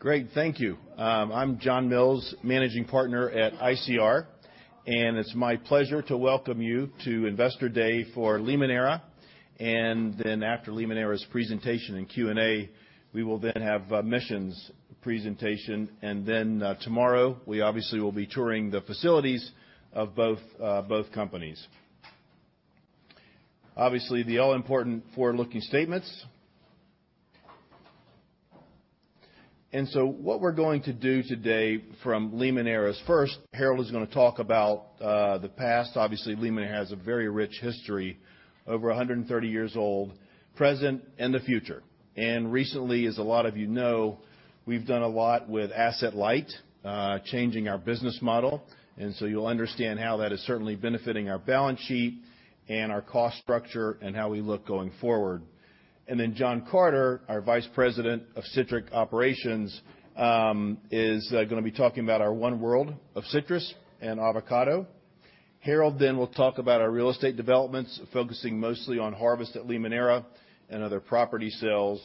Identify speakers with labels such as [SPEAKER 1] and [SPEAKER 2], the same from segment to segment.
[SPEAKER 1] Great. Thank you. I'm John Mills, Managing Partner at ICR, and it's my pleasure to welcome you to Investor Day for Limoneira. After Limoneira's presentation and Q&A, we will then have Mission's presentation, and then tomorrow, we obviously will be touring the facilities of both companies. Obviously, the all-important forward-looking statements. What we're going to do today from Limoneira's first, Harold is gonna talk about the past. Obviously, Limoneira has a very rich history, over 130 years old, present, and the future. Recently, as a lot of you know, we've done a lot with asset-light, changing our business model, and so you'll understand how that is certainly benefiting our balance sheet and our cost structure and how we look going forward. John Carter, our Vice President of Citrus Operations, is gonna be talking about our One World of Citrus and Avocado. Harold will talk about our real estate developments, focusing mostly on Harvest at Limoneira and other property sales.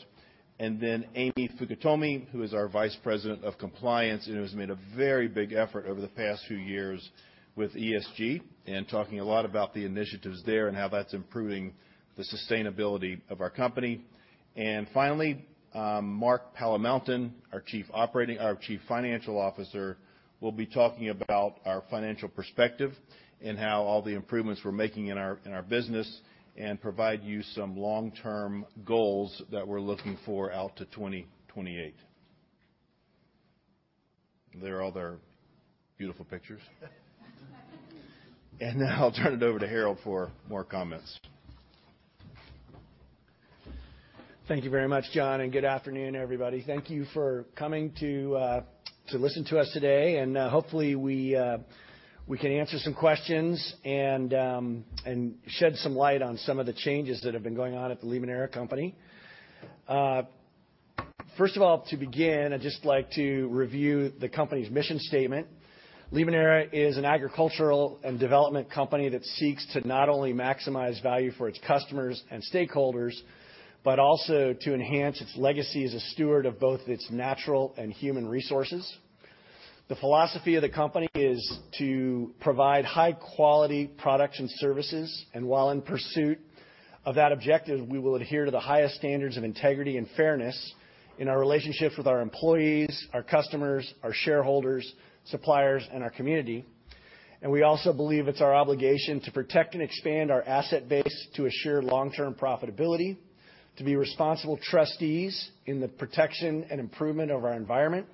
[SPEAKER 1] Amy Fukutomi, who is our Vice President of Compliance, and who has made a very big effort over the past few years with ESG and talking a lot about the initiatives there and how that's improving the sustainability of our company. Finally, Mark Palamountain, our Chief Financial Officer, will be talking about our financial perspective and how all the improvements we're making in our business, and provide you some long-term goals that we're looking for out to 2028. There are all their beautiful pictures. Now I'll turn it over to Harold for more comments.
[SPEAKER 2] Thank you very much, John, and good afternoon, everybody. Thank you for coming to listen to us today, hopefully, we can answer some questions and shed some light on some of the changes that have been going on at the Limoneira Company. First of all, to begin, I'd just like to review the company's mission statement. Limoneira is an agricultural and development company that seeks to not only maximize value for its customers and stakeholders, but also to enhance its legacy as a steward of both its natural and human resources. The philosophy of the company is to provide high-quality products and services, and while in pursuit of that objective, we will adhere to the highest standards of integrity and fairness in our relationships with our employees, our customers, our shareholders, suppliers, and our community. We also believe it's our obligation to protect and expand our asset base to assure long-term profitability, to be responsible trustees in the protection and improvement of our environment,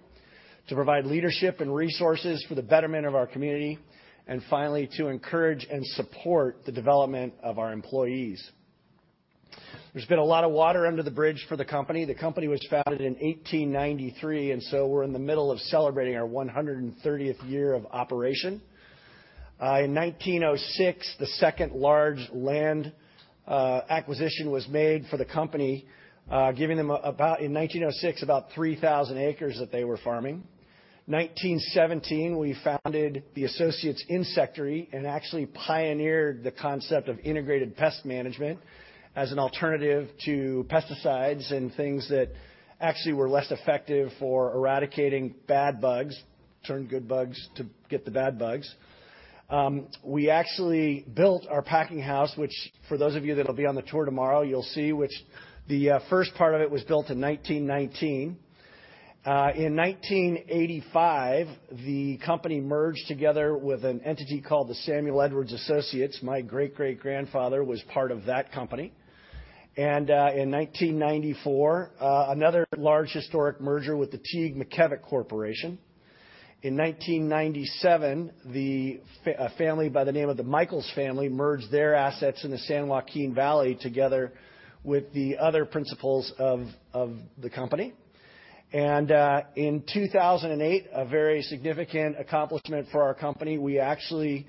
[SPEAKER 2] to provide leadership and resources for the betterment of our community, and finally, to encourage and support the development of our employees. There's been a lot of water under the bridge for the company. The company was founded in 1893. We're in the middle of celebrating our 130th year of operation. In 1906, the second large land acquisition was made for the company, giving them about, in 1906, about 3,000 acres that they were farming. 1917, we founded the Associates Insectary and actually pioneered the concept of integrated pest management as an alternative to pesticides and things that actually were less effective for eradicating bad bugs, turn good bugs to get the bad bugs. We actually built our packing house, which for those of you that'll be on the tour tomorrow, you'll see, which the first part of it was built in 1919. In 1985, the company merged together with an entity called the Samuel Edwards Associates. My great-great-grandfather was part of that company. In 1994, another large historic merger with the Teague-McKevett Company. In 1997, a family by the name of the Michaels family merged their assets in the San Joaquin Valley together with the other principals of the company. In 2008, a very significant accomplishment for our company, we actually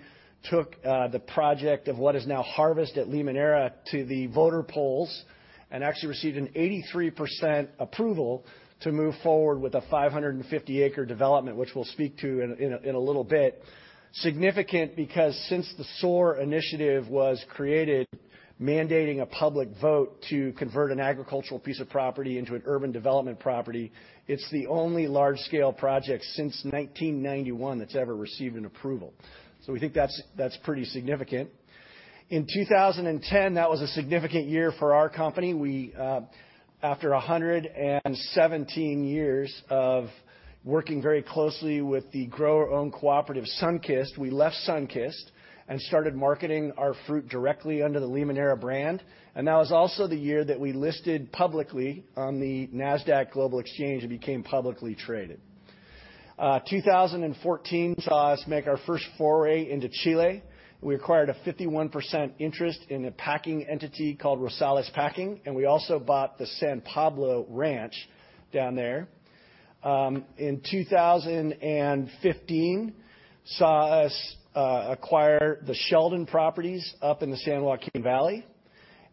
[SPEAKER 2] took the project of what is now Harvest at Limoneira to the voter polls and actually received an 83% approval to move forward with a 550-acre development, which we'll speak to in a, in a little bit. Significant because since the SOAR Initiative was created, mandating a public vote to convert an agricultural piece of property into an urban development property, it's the only large-scale project since 1991 that's ever received an approval. We think that's pretty significant. In 2010, that was a significant year for our company. We, after 117 years of working very closely with the grower-owned cooperative, Sunkist, we left Sunkist and started marketing our fruit directly under the Limoneira brand. That was also the year that we listed publicly on the Nasdaq Global Exchange and became publicly traded. 2014 saw us make our first foray into Chile. We acquired a 51% interest in a packing entity called Rosales Packing. We also bought the San Pablo Ranch down there. 2015, saw us acquire the Sheldon Properties up in the San Joaquin Valley.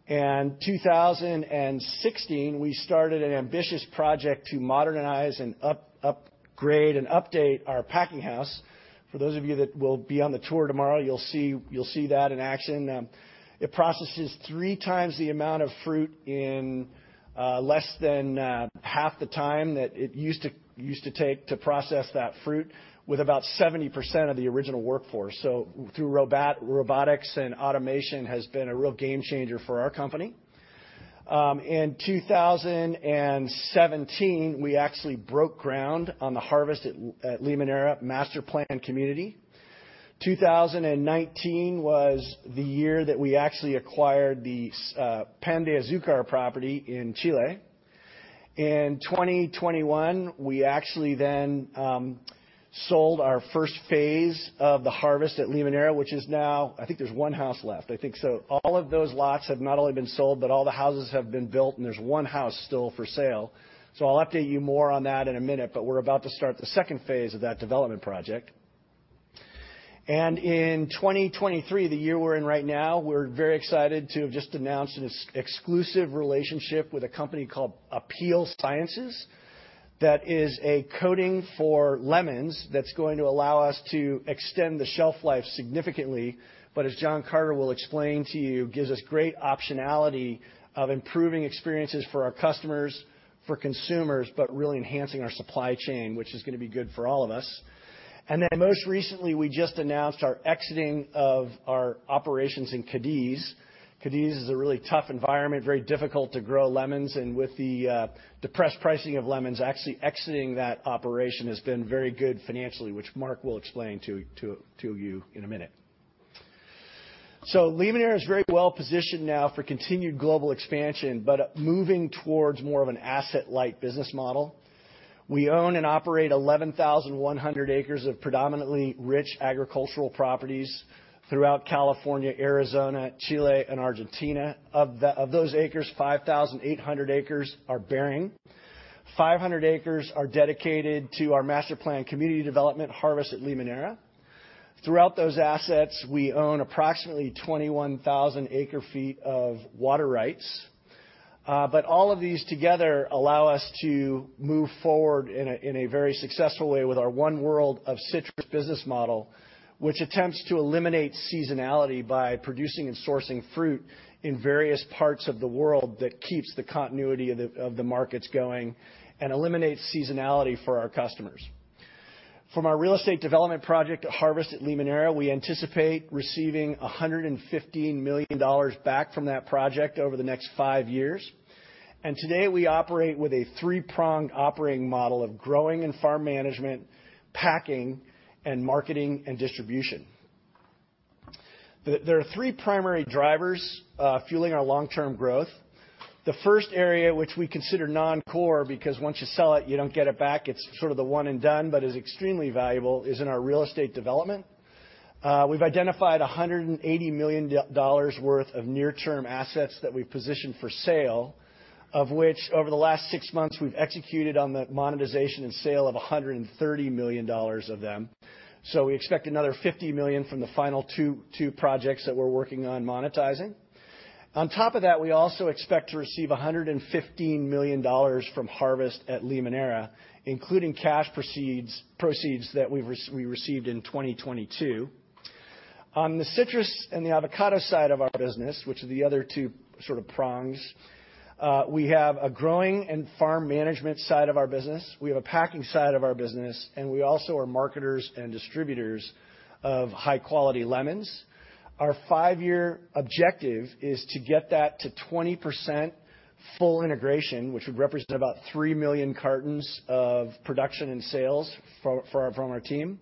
[SPEAKER 2] 2016, we started an ambitious project to modernize and upgrade and update our packing house. For those of you that will be on the tour tomorrow, you'll see that in action. It processes three times the amount of fruit in less than half the time that it used to take to process that fruit with about 70% of the original workforce. Through robotics and automation has been a real game changer for our company. In 2017, we actually broke ground on the Harvest at Limoneira Master Plan community. 2019 was the year that we actually acquired the Pan de Azucar property in Chile. In 2021, we actually then sold our first phase of the Harvest at Limoneira, which is now I think there's one house left, I think so. All of those lots have not only been sold, but all the houses have been built, and there's one house still for sale. I'll update you more on that in a minute, but we're about to start the second phase of that development project. In 2023, the year we're in right now, we're very excited to have just announced an exclusive relationship with a company called Apeel Sciences. That is a coating for lemons that's going to allow us to extend the shelf life significantly, but as John Carter will explain to you, gives us great optionality of improving experiences for our customers, for consumers, but really enhancing our supply chain, which is gonna be good for all of us. Most recently, we just announced our exiting of our operations in Cadiz. Cadiz is a really tough environment, very difficult to grow lemons, and with the depressed pricing of lemons, actually exiting that operation has been very good financially, which Mark will explain to you in a minute. Limoneira is very well positioned now for continued global expansion, but moving towards more of an asset-light business model. We own and operate 11,100 acres of predominantly rich agricultural properties throughout California, Arizona, Chile, and Argentina. Of those acres, 5,800 acres are bearing. 500 acres are dedicated to our master plan community development Harvest at Limoneira. Throughout those assets, we own approximately 21,000 acre feet of water rights. All of these together allow us to move forward in a very successful way with our One World of Citrus business model, which attempts to eliminate seasonality by producing and sourcing fruit in various parts of the world that keeps the continuity of the markets going and eliminates seasonality for our customers. From our real estate development project, Harvest at Limoneira, we anticipate receiving $115 million back from that project over the next five years. Today, we operate with a three-pronged operating model of growing and farm management, packing, and marketing and distribution. There are three primary drivers fueling our long-term growth. The first area, which we consider non-core, because once you sell it, you don't get it back, it's sort of the one and done, but is extremely valuable, is in our real estate development. We've identified $180 million worth of near-term assets that we've positioned for sale, of which, over the last six months, we've executed on the monetization and sale of $130 million of them. We expect another $50 million from the final two projects that we're working on monetizing. On top of that, we also expect to receive $115 million from Harvest at Limoneira, including cash proceeds that we received in 2022. On the citrus and the avocado side of our business, which are the other two sort of prongs, we have a growing and farm management side of our business, we have a packing side of our business, and we also are marketers and distributors of high-quality lemons. Our five-year objective is to get that to 20% full integration, which would represent about three million cartons of production and sales from our team.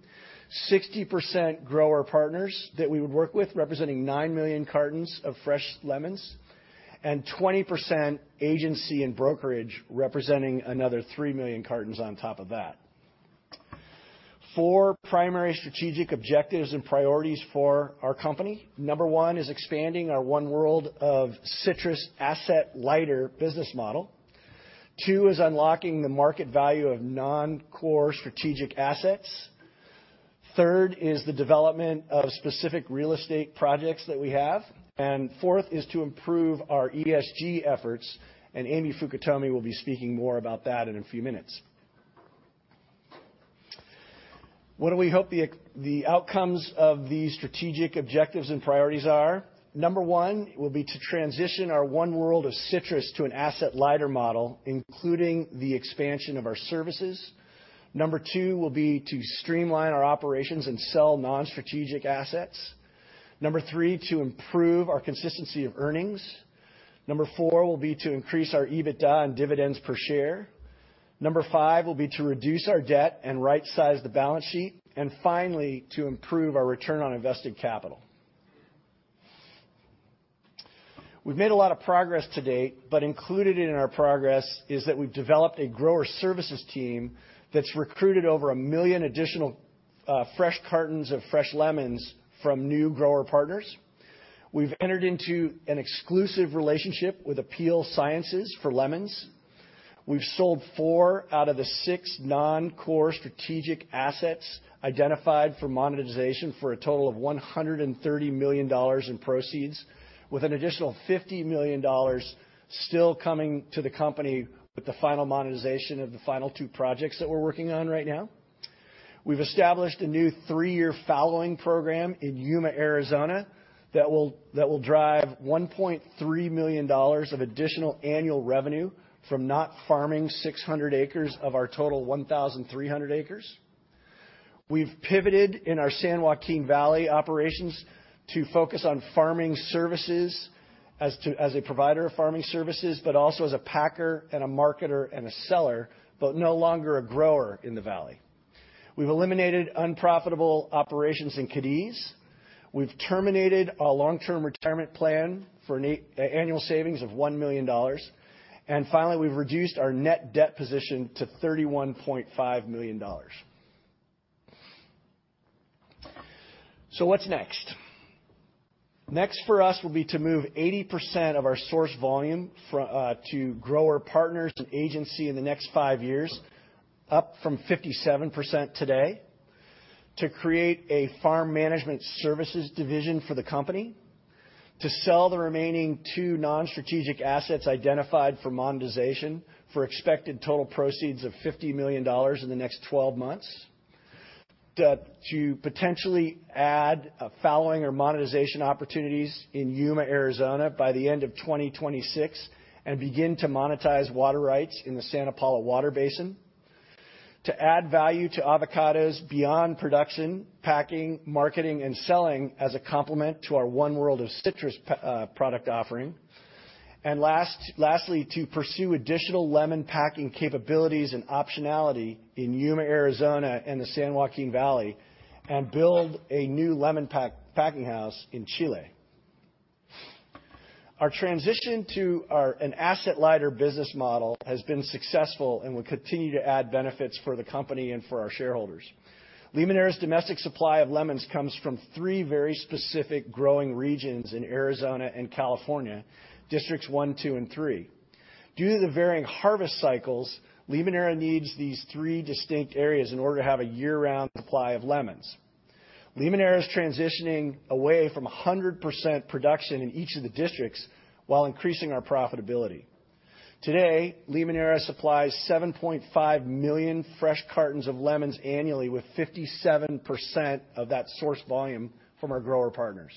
[SPEAKER 2] 60% grower partners that we would work with, representing nine million cartons of fresh lemons, and 20% agency and brokerage, representing another three million cartons on top of that. Four primary strategic objectives and priorities for our company. Number one is expanding our One World of Citrus asset lighter business model. Two is unlocking the market value of non-core strategic assets. Third is the development of specific real estate projects that we have. Fourth is to improve our ESG efforts, and Amy Fukutomi will be speaking more about that in a few minutes. What do we hope the outcomes of these strategic objectives and priorities are? Number one will be to transition our One World of Citrus to an asset lighter model, including the expansion of our services. Number two will be to streamline our operations and sell non-strategic assets. Number three, to improve our consistency of earnings. Number four will be to increase our EBITDA and dividends per share. Number five will be to reduce our debt and right size the balance sheet. Finally, to improve our return on invested capital. We've made a lot of progress to date. Included in our progress is that we've developed a grower services team that's recruited over one million additional fresh cartons of fresh lemons from new grower partners. We've entered into an exclusive relationship with Apeel Sciences for lemons.... We've sold four out of the six non-core strategic assets identified for monetization for a total of $130 million in proceeds, with an additional $50 million still coming to the company with the final monetization of the final two projects that we're working on right now. We've established a new three-year fallowing program in Yuma, Arizona, that will drive $1.3 million of additional annual revenue from not farming 600 acres of our total 1,300 acres. We've pivoted in our San Joaquin Valley operations to focus on farming services as a provider of farming services, but also as a packer and a marketer and a seller, but no longer a grower in the valley. We've eliminated unprofitable operations in Cadiz. We've terminated a long-term retirement plan for an annual savings of $1 million. Finally, we've reduced our net debt position to $31.5 million. What's next? Next for us will be to move 80% of our source volume to grower partners and agency in the next five years, up from 57% today. To create a farm management services division for the company, to sell the remaining two non-strategic assets identified for monetization, for expected total proceeds of $50 million in the next 12 months. To potentially add a fallowing or monetization opportunities in Yuma, Arizona, by the end of 2026, and begin to monetize water rights in the Santa Paula water basin. To add value to avocados beyond production, packing, marketing, and selling as a complement to our One World of Citrus product offering. Lastly, to pursue additional lemon packing capabilities and optionality in Yuma, Arizona, and the San Joaquin Valley, and build a new lemon packing house in Chile. Our transition to an asset-lighter business model has been successful and will continue to add benefits for the company and for our shareholders. Limoneira's domestic supply of lemons comes from three very specific growing regions in Arizona and California, Districts one, two, and three. Due to the varying harvest cycles, Limoneira needs these three distinct areas in order to have a year-round supply of lemons. Limoneira is transitioning away from 100% production in each of the districts while increasing our profitability. Today, Limoneira supplies 7.5 million fresh cartons of lemons annually, with 57% of that source volume from our grower partners.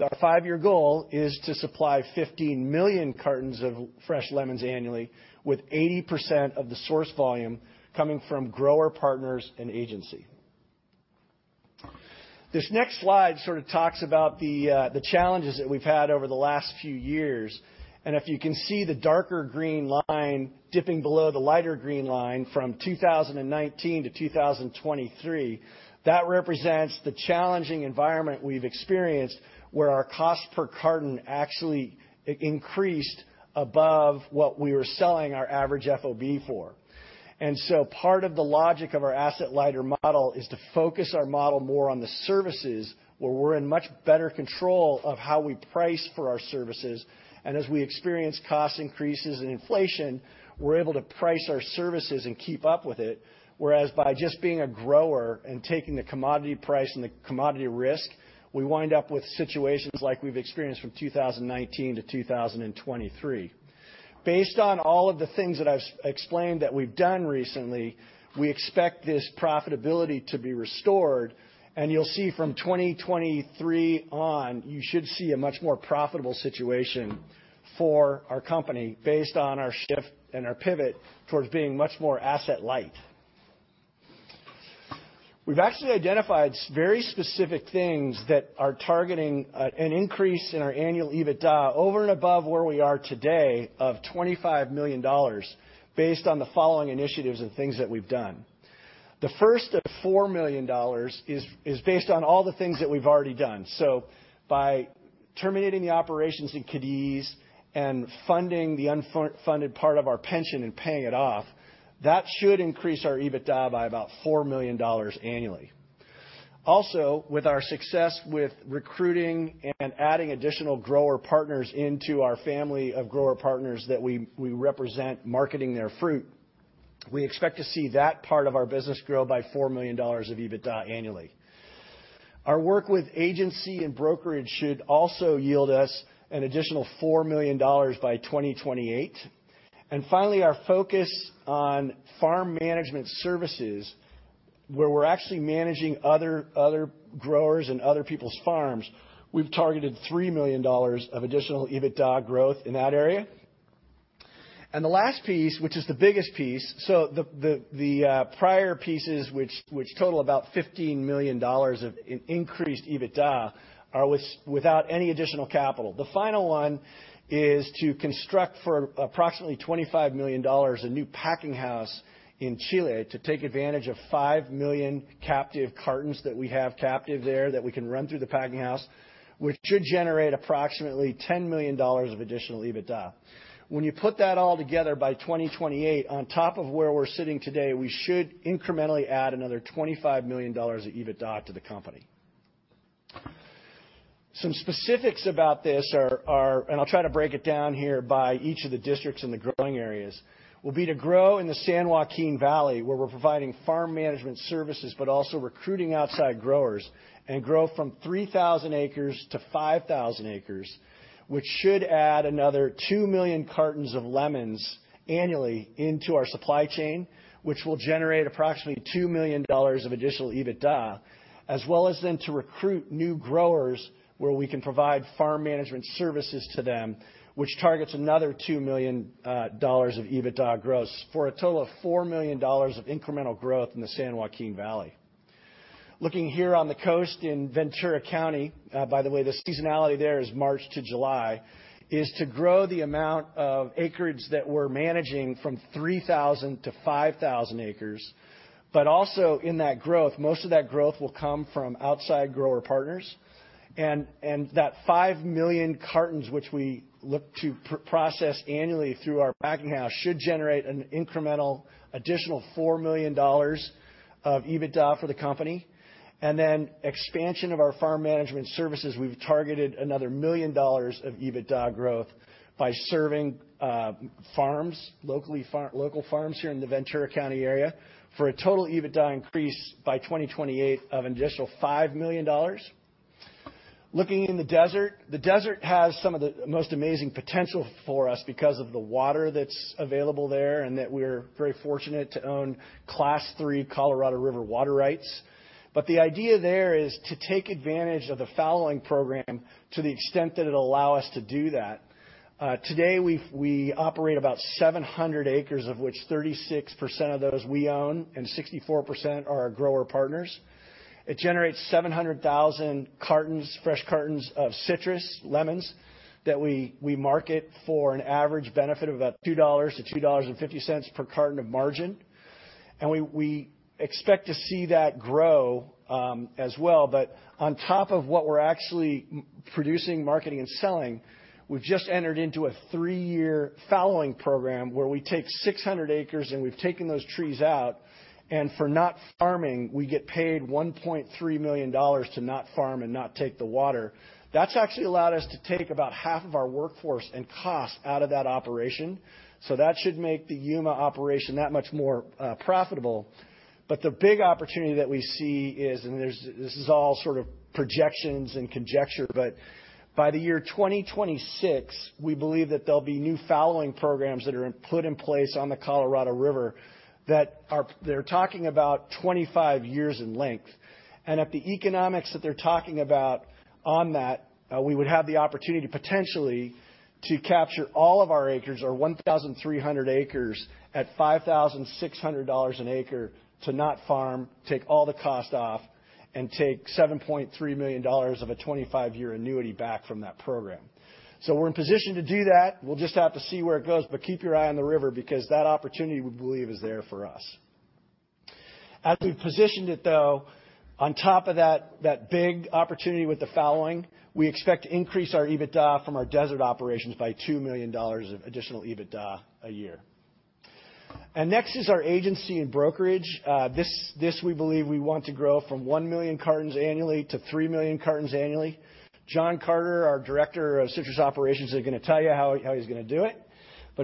[SPEAKER 2] Our five-year goal is to supply 15 million cartons of fresh lemons annually, with 80% of the source volume coming from grower partners and agency. This next slide sort of talks about the challenges that we've had over the last few years. If you can see the darker green line dipping below the lighter green line from 2019-2023, that represents the challenging environment we've experienced, where our cost per carton actually increased above what we were selling our average FOB for. Part of the logic of our asset lighter model is to focus our model more on the services, where we're in much better control of how we price for our services, and as we experience cost increases and inflation, we're able to price our services and keep up with it, whereas by just being a grower and taking the commodity price and the commodity risk, we wind up with situations like we've experienced from 2019 to 2023. Based on all of the things that I've explained that we've done recently, we expect this profitability to be restored, and you'll see from 2023 on, you should see a much more profitable situation for our company based on our shift and our pivot towards being much more asset light. We've actually identified very specific things that are targeting an increase in our annual EBITDA over and above where we are today of $25 million, based on the following initiatives and things that we've done. The first of $4 million is based on all the things that we've already done. By terminating the operations in Cadiz and funding the funded part of our pension and paying it off, that should increase our EBITDA by about $4 million annually. Also, with our success with recruiting and adding additional grower partners into our family of grower partners that we represent marketing their fruit, we expect to see that part of our business grow by $4 million of EBITDA annually. Our work with agency and brokerage should also yield us an additional $4 million by 2028. Finally, our focus on farm management services, where we're actually managing other growers and other people's farms, we've targeted $3 million of additional EBITDA growth in that area. The last piece, which is the biggest piece, so the prior pieces, which total about $15 million of increased EBITDA, are without any additional capital. The final one is to construct for approximately $25 million, a new packing house in Chile to take advantage of five million captive cartons that we have captive there that we can run through the packing house, which should generate approximately $10 million of additional EBITDA. When you put that all together, by 2028, on top of where we're sitting today, we should incrementally add another $25 million of EBITDA to the company. Some specifics about this are, and I'll try to break it down here by each of the districts in the growing areas, will be to grow in the San Joaquin Valley, where we're providing farm management services, but also recruiting outside growers, and grow from 3,000 acres to 5,000 acres, which should add another two million cartons of lemons annually into our supply chain, which will generate approximately $2 million of additional EBITDA, as well as then to recruit new growers where we can provide farm management services to them, which targets another $2 million of EBITDA gross, for a total of $4 million of incremental growth in the San Joaquin Valley. Looking here on the coast in Ventura County, by the way, the seasonality there is March to July, is to grow the amount of acreage that we're managing from 3,000 to 5,000 acres. Also in that growth, most of that growth will come from outside grower partners. That five million cartons, which we look to process annually through our packing house, should generate an incremental additional $4 million of EBITDA for the company. Expansion of our farm management services, we've targeted another $1 million of EBITDA growth by serving farms, locally, local farms here in the Ventura County area, for a total EBITDA increase by 2028 of an additional $5 million. Looking in the desert, the desert has some of the most amazing potential for us because of the water that's available there, that we're very fortunate to own Class III Colorado River water rights. The idea there is to take advantage of the fallowing program to the extent that it'll allow us to do that. Today, we operate about 700 acres, of which 36% of those we own and 64% are our grower partners. It generates 700,000 cartons, fresh cartons of citrus, lemons, that we market for an average benefit of about $2.00-$2.50 per carton of margin. We expect to see that grow as well. On top of what we're actually producing, marketing, and selling, we've just entered into a three-year fallowing program where we take 600 acres, and we've taken those trees out, and for not farming, we get paid $1.3 million to not farm and not take the water. That's actually allowed us to take about half of our workforce and cost out of that operation. That should make the Yuma operation that much more profitable. The big opportunity that we see is, this is all sort of projections and conjecture, but by the year 2026, we believe that there'll be new fallowing programs that are put in place on the Colorado River that are... They're talking about 25 years in length. At the economics that they're talking about on that, we would have the opportunity, potentially, to capture all of our acres, our 1,300 acres, at $5,600 an acre to not farm, take all the cost off, and take $7.3 million of a 25-year annuity back from that program. We're in position to do that. We'll just have to see where it goes, but keep your eye on the river because that opportunity, we believe, is there for us. As we've positioned it, though, on top of that big opportunity with the fallowing, we expect to increase our EBITDA from our desert operations by $2 million of additional EBITDA a year. Next is our agency and brokerage. This we believe we want to grow from one million cartons annually to three million cartons annually. John Carter, our Director of Citrus Operations, is going to tell you how he's going to do it.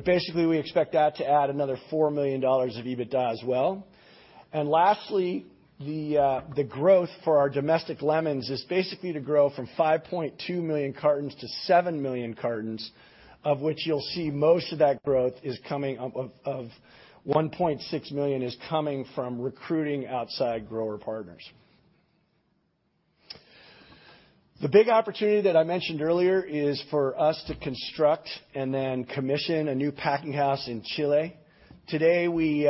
[SPEAKER 2] Basically, we expect that to add another $4 million of EBITDA as well. Lastly, the growth for our domestic lemons is basically to grow from 5.2 million cartons to seven million cartons, of which you'll see most of that growth is coming of 1.6 million, is coming from recruiting outside grower partners. The big opportunity that I mentioned earlier is for us to construct and then commission a new packinghouse in Chile. Today, we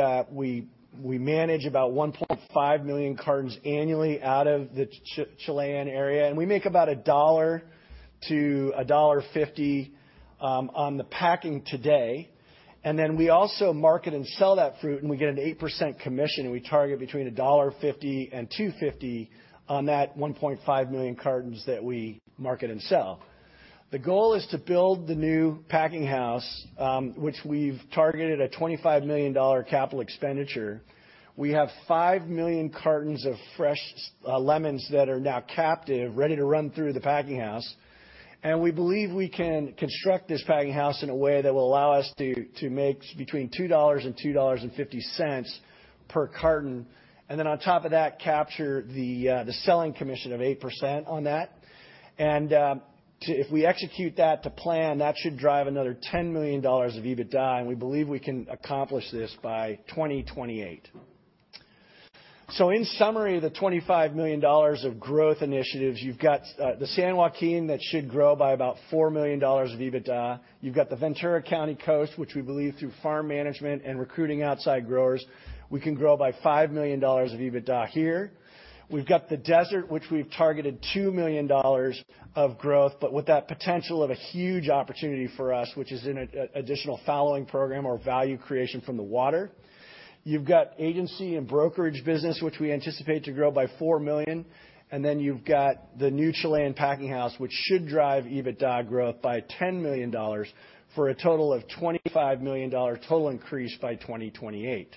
[SPEAKER 2] manage about 1.5 million cartons annually out of the Chilean area, we make about $1-$1.50 on the packing today. We also market and sell that fruit, we get an 8% commission, we target between $1.50 and $2.50 on that 1.5 million cartons that we market and sell. The goal is to build the new packinghouse, which we've targeted a $25 million capital expenditure. We have five million cartons of fresh lemons that are now captive, ready to run through the packinghouse. We believe we can construct this packinghouse in a way that will allow us to make between $2 and $2.50 per carton, and then on top of that, capture the selling commission of 8% on that. If we execute that to plan, that should drive another $10 million of EBITDA, and we believe we can accomplish this by 2028. In summary, the $25 million of growth initiatives, you've got the San Joaquin, that should grow by about $4 million of EBITDA. You've got the Ventura County coast, which we believe through farm management and recruiting outside growers, we can grow by $5 million of EBITDA here. We've got the desert, which we've targeted $2 million of growth, but with that potential of a huge opportunity for us, which is an additional fallowing program or value creation from the water. You've got agency and brokerage business, which we anticipate to grow by $4 million, and then you've got the new Chilean packinghouse, which should drive EBITDA growth by $10 million for a total of $25 million total increase by 2028.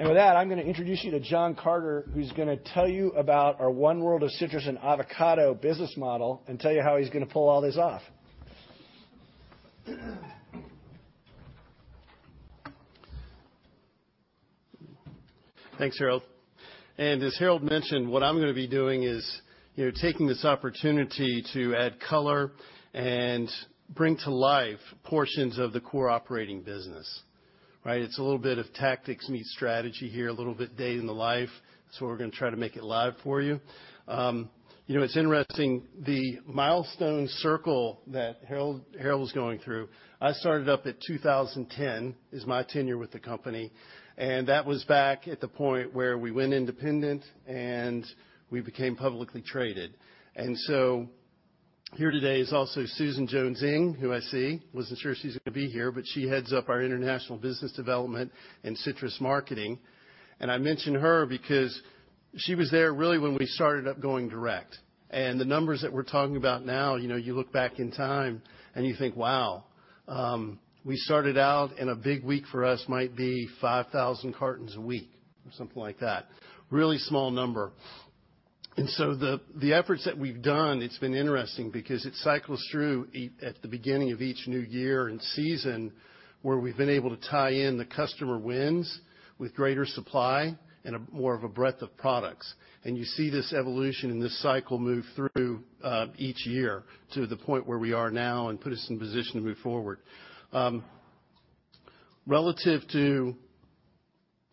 [SPEAKER 2] With that, I'm gonna introduce you to John Carter, who's gonna tell you about our One World of Citrus and Avocado business model, and tell you how he's gonna pull all this off.
[SPEAKER 3] Thanks, Harold. As Harold mentioned, what I'm gonna be doing is, you know, taking this opportunity to add color and bring to life portions of the core operating business, right? It's a little bit of tactics meet strategy here, a little bit day in the life, so we're gonna try to make it live for you. You know, it's interesting, the milestone circle that Harold was going through, I started up at 2010, is my tenure with the company, and that was back at the point where we went independent, and we became publicly traded. So here today is also Susan Jones-Ng, who I see. Wasn't sure she's gonna be here, but she heads up our international business development and citrus marketing. I mention her because she was there really when we started up going direct. The numbers that we're talking about now, you know, you look back in time and you think, wow, we started out and a big week for us might be 5,000 cartons a week or something like that. Really small number. The efforts that we've done, it's been interesting because it cycles through at the beginning of each new year and season, where we've been able to tie in the customer wins with greater supply and a more of a breadth of products. You see this evolution and this cycle move through each year to the point where we are now and put us in position to move forward. Relative to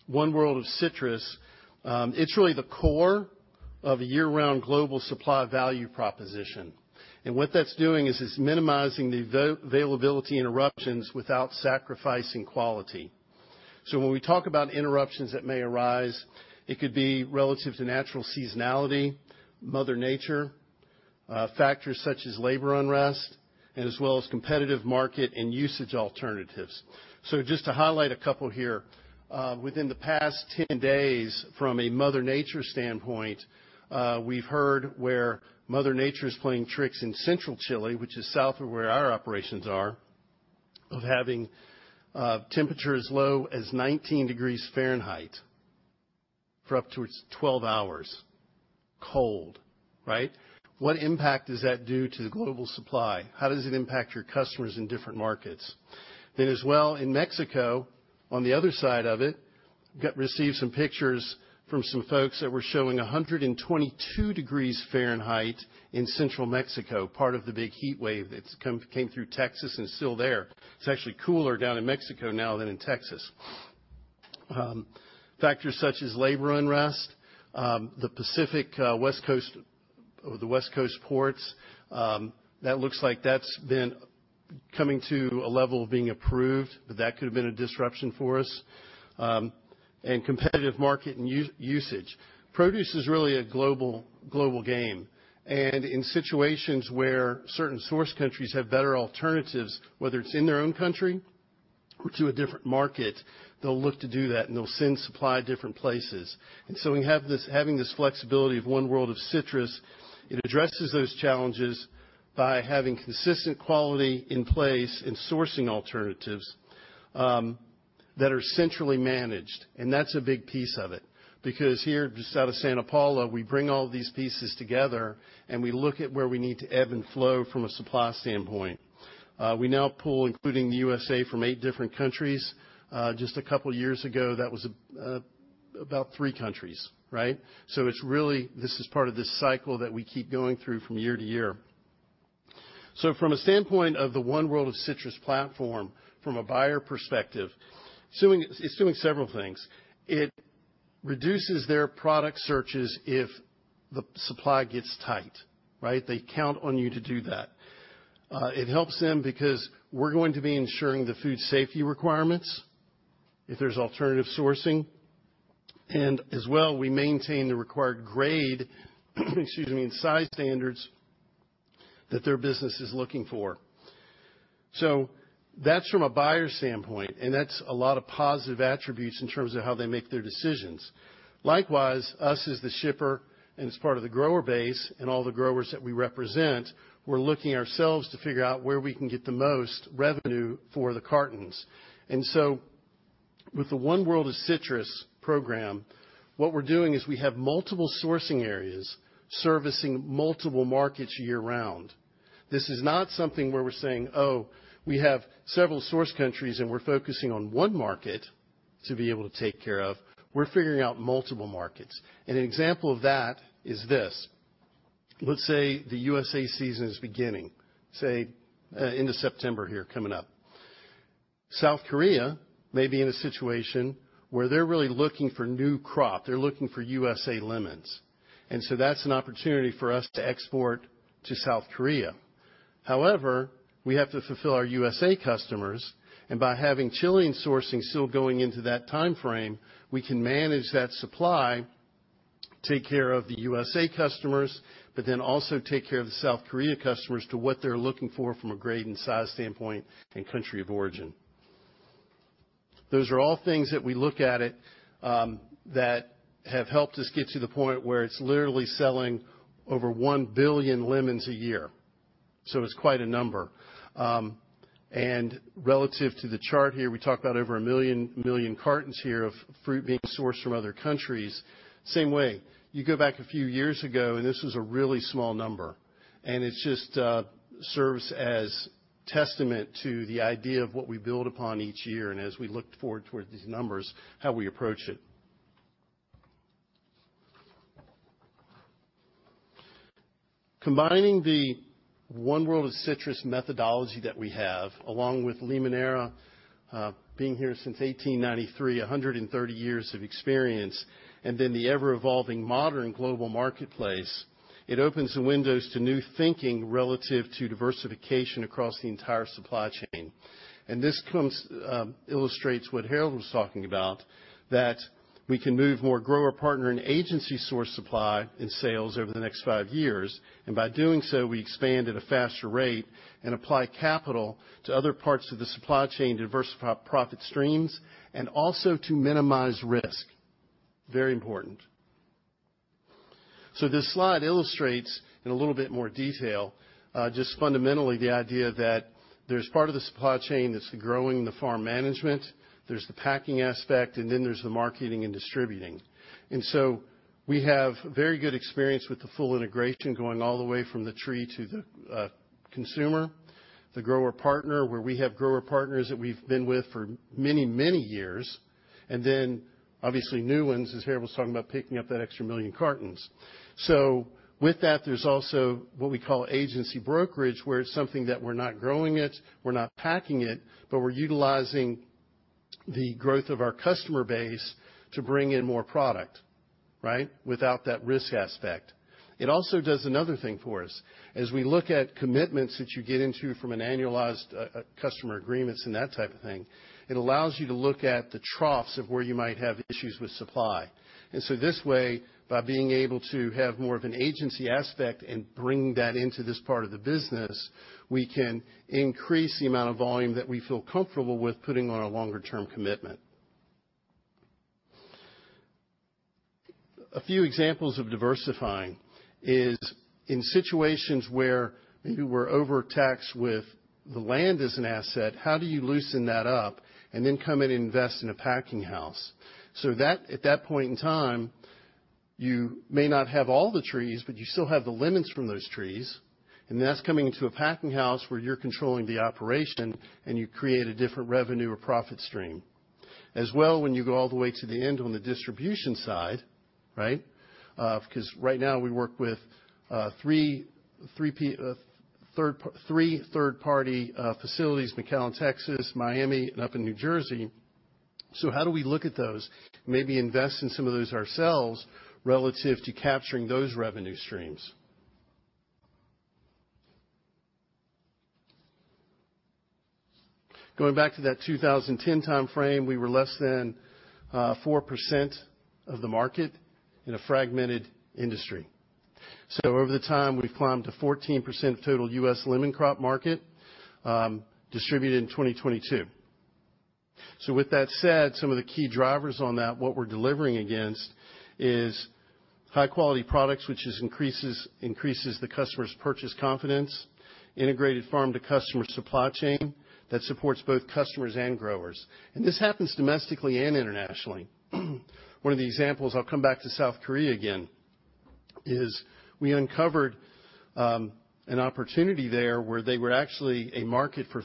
[SPEAKER 3] One World of Citrus, it's really the core of a year-round global supply value proposition, and what that's doing is minimizing the availability interruptions without sacrificing quality. When we talk about interruptions that may arise, it could be relative to natural seasonality, Mother Nature, factors such as labor unrest, and as well as competitive market and usage alternatives. Just to highlight a couple here, within the past 10 days, from a Mother Nature standpoint, we've heard where Mother Nature is playing tricks in central Chile, which is south of where our operations are, of having temperatures as low as 19 degrees Fahrenheit for up to 12 hours. Cold, right? What impact does that do to the global supply? How does it impact your customers in different markets? As well, in Mexico, on the other side of it, received some pictures from some folks that were showing 122 degrees Fahrenheit in central Mexico, part of the big heat wave that came through Texas and is still there. It's actually cooler down in Mexico now than in Texas. Factors such as labor unrest, the Pacific West Coast, or the West Coast ports, that looks like that's been coming to a level of being approved, but that could have been a disruption for us. Competitive market and usage. Produce is really a global game, and in situations where certain source countries have better alternatives, whether it's in their own country or to a different market, they'll look to do that, and they'll send supply different places. When you have having this flexibility of One World of Citrus, it addresses those challenges by having consistent quality in place and sourcing alternatives that are centrally managed, and that's a big piece of it. Here, just out of Santa Paula, we bring all these pieces together, and we look at where we need to ebb and flow from a supply standpoint. We now pull, including the USA, from eight different countries. Just a couple of years ago, that was about three countries, right? It's really, this is part of this cycle that we keep going through from year to year. From a standpoint of the One World of Citrus platform, from a buyer perspective, it's doing several things. It reduces their product searches if the supply gets tight, right? They count on you to do that. It helps them because we're going to be ensuring the food safety requirements, if there's alternative sourcing, and as well, we maintain the required grade, excuse me, and size standards that their business is looking for. That's from a buyer's standpoint, that's a lot of positive attributes in terms of how they make their decisions. Likewise, us as the shipper and as part of the grower base and all the growers that we represent, we're looking ourselves to figure out where we can get the most revenue for the cartons. With the One World of Citrus program, what we're doing is we have multiple sourcing areas servicing multiple markets year-round. This is not something where we're saying, "Oh, we have several source countries, and we're focusing on one market to be able to take care of." We're figuring out multiple markets. An example of that is this: let's say the USA season is beginning, say, end of September here, coming up. South Korea may be in a situation where they're really looking for new crop. They're looking for USA lemons, and so that's an opportunity for us to export to South Korea. However, we have to fulfill our USA customers, and by having Chilean sourcing still going into that time frame, we can manage that supply, take care of the USA customers, but then also take care of the South Korea customers to what they're looking for from a grade and size standpoint and country of origin. Those are all things that we look at it, that have helped us get to the point where it's literally selling over one billion lemons a year. It's quite a number. Relative to the chart here, we talked about over one million cartons here of fruit being sourced from other countries. Same way, you go back a few years ago, and this was a really small number, and it just serves as testament to the idea of what we build upon each year and as we look forward towards these numbers, how we approach it. Combining the One World of Citrus methodology that we have, along with Limoneira, being here since 1893, 130 years of experience, and then the ever-evolving modern global marketplace, it opens the windows to new thinking relative to diversification across the entire supply chain. This illustrates what Harold was talking about, that we can move more grower partner and agency source supply and sales over the next five years, and by doing so, we expand at a faster rate and apply capital to other parts of the supply chain to diversify profit streams and also to minimize risk. Very important. This slide illustrates, in a little bit more detail, just fundamentally the idea that there's part of the supply chain that's the growing and the farm management, there's the packing aspect, and then there's the marketing and distributing. We have very good experience with the full integration going all the way from the tree to the consumer, the grower partner, where we have grower partners that we've been with for many, many years, and then, obviously, new ones, as Harold was talking about, picking up that extra one million cartons. With that, there's also what we call agency brokerage, where it's something that we're not growing it, we're not packing it, but we're utilizing the growth of our customer base to bring in more product, right? Without that risk aspect. It also does another thing for us. As we look at commitments that you get into from an annualized customer agreements and that type of thing, it allows you to look at the troughs of where you might have issues with supply. This way, by being able to have more of an agency aspect and bring that into this part of the business, we can increase the amount of volume that we feel comfortable with putting on a longer-term commitment. A few examples of diversifying is in situations where maybe we're overtaxed with the land as an asset, how do you loosen that up and then come in and invest in a packing house? So that, at that point in time, you may not have all the trees, but you still have the lemons from those trees, and that's coming into a packing house where you're controlling the operation, and you create a different revenue or profit stream. As well, when you go all the way to the end on the distribution side, right? Because right now we work with. Three third-party facilities, McAllen, Texas, Miami, and up in New Jersey. How do we look at those, maybe invest in some of those ourselves, relative to capturing those revenue streams? Going back to that 2010 time frame, we were less than 4% of the market in a fragmented industry. Over the time, we've climbed to 14% of total U.S. lemon crop market, distributed in 2022. With that said, some of the key drivers on that, what we're delivering against is high-quality products, which increases the customer's purchase confidence, integrated farm-to-customer supply chain that supports both customers and growers. This happens domestically and internationally. One of the examples, I'll come back to South Korea again, is we uncovered an opportunity there where they were actually a market for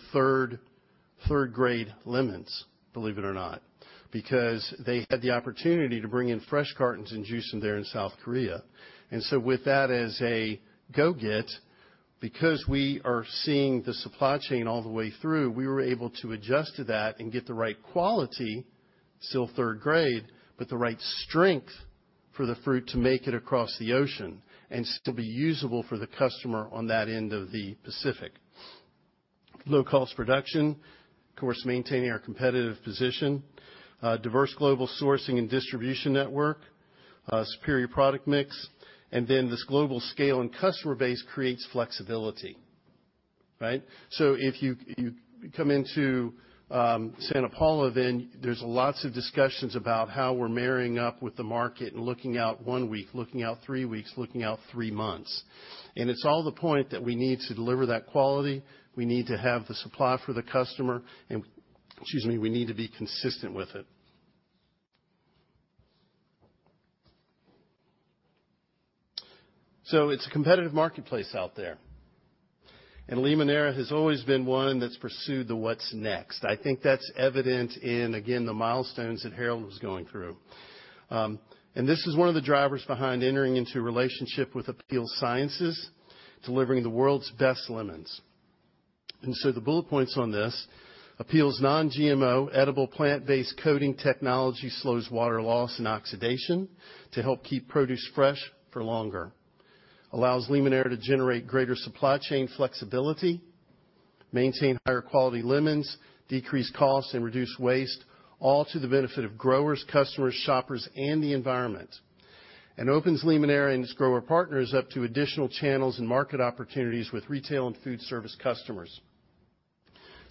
[SPEAKER 3] third-grade lemons, believe it or not, because they had the opportunity to bring in fresh cartons and juice them there in South Korea. With that as a go-get, because we are seeing the supply chain all the way through, we were able to adjust to that and get the right quality, still third grade, but the right strength for the fruit to make it across the ocean and still be usable for the customer on that end of the Pacific. Low-cost production, of course, maintaining our competitive position, diverse global sourcing and distribution network, superior product mix, and then this global scale and customer base creates flexibility, right? If you come into Santa Paula, there's lots of discussions about how we're marrying up with the market and looking out one week, looking out three weeks, looking out three months. It's all the point that we need to deliver that quality, we need to have the supply for the customer, and, excuse me, we need to be consistent with it. It's a competitive marketplace out there, and Limoneira has always been one that's pursued the what's next. I think that's evident in again the milestones that Harold was going through. This is one of the drivers behind entering into a relationship with Apeel Sciences, delivering the world's best lemons. The bullet points on this, Apeel's non-GMO, edible plant-based coating technology slows water loss and oxidation to help keep produce fresh for longer, allows Limoneira to generate greater supply chain flexibility, maintain higher quality lemons, decrease costs, and reduce waste, all to the benefit of growers, customers, shoppers, and the environment. Opens Limoneira and its grower partners up to additional channels and market opportunities with retail and food service customers.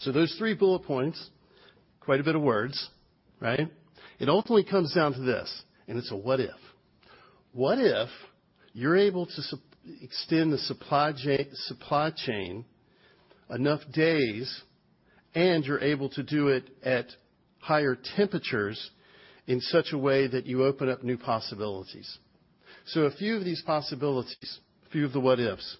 [SPEAKER 3] Those three bullet points, quite a bit of words, right? It ultimately comes down to this, and it's a what if. What if you're able to extend the supply chain enough days, and you're able to do it at higher temperatures in such a way that you open up new possibilities? A few of these possibilities, a few of the what ifs,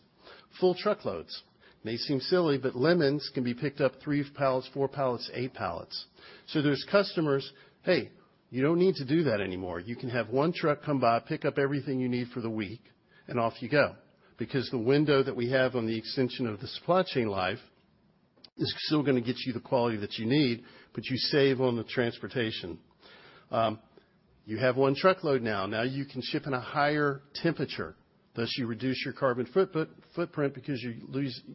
[SPEAKER 3] full truckloads. May seem silly. Lemons can be picked up, three pallets, four pallets, eight pallets. There's customers, hey, you don't need to do that anymore. You can have one truck come by, pick up everything you need for the week, and off you go, because the window that we have on the extension of the supply chain life is still gonna get you the quality that you need, but you save on the transportation. You have one truckload now. You can ship in a higher temperature, thus you reduce your carbon footprint because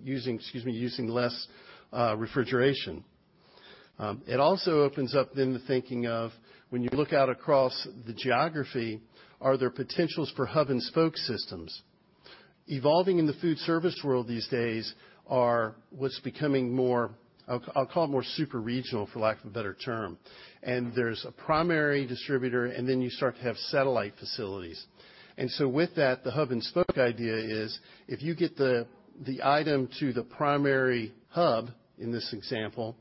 [SPEAKER 3] using less refrigeration. It also opens up then the thinking of, when you look out across the geography, are there potentials for hub-and-spoke systems? Evolving in the food service world these days are what's becoming more... I'll call it more super regional, for lack of a better term. There's a primary distributor, and then you start to have satellite facilities. With that, the hub-and-spoke idea is, if you get the item to the primary hub, in this example,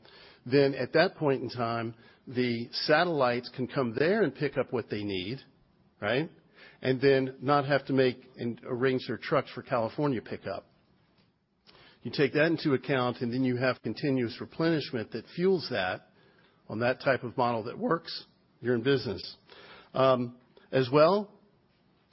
[SPEAKER 3] then at that point in time, the satellites can come there and pick up what they need, right? Not have to make and arrange their trucks for California pickup. You take that into account, and then you have continuous replenishment that fuels that, on that type of model that works, you're in business. As well,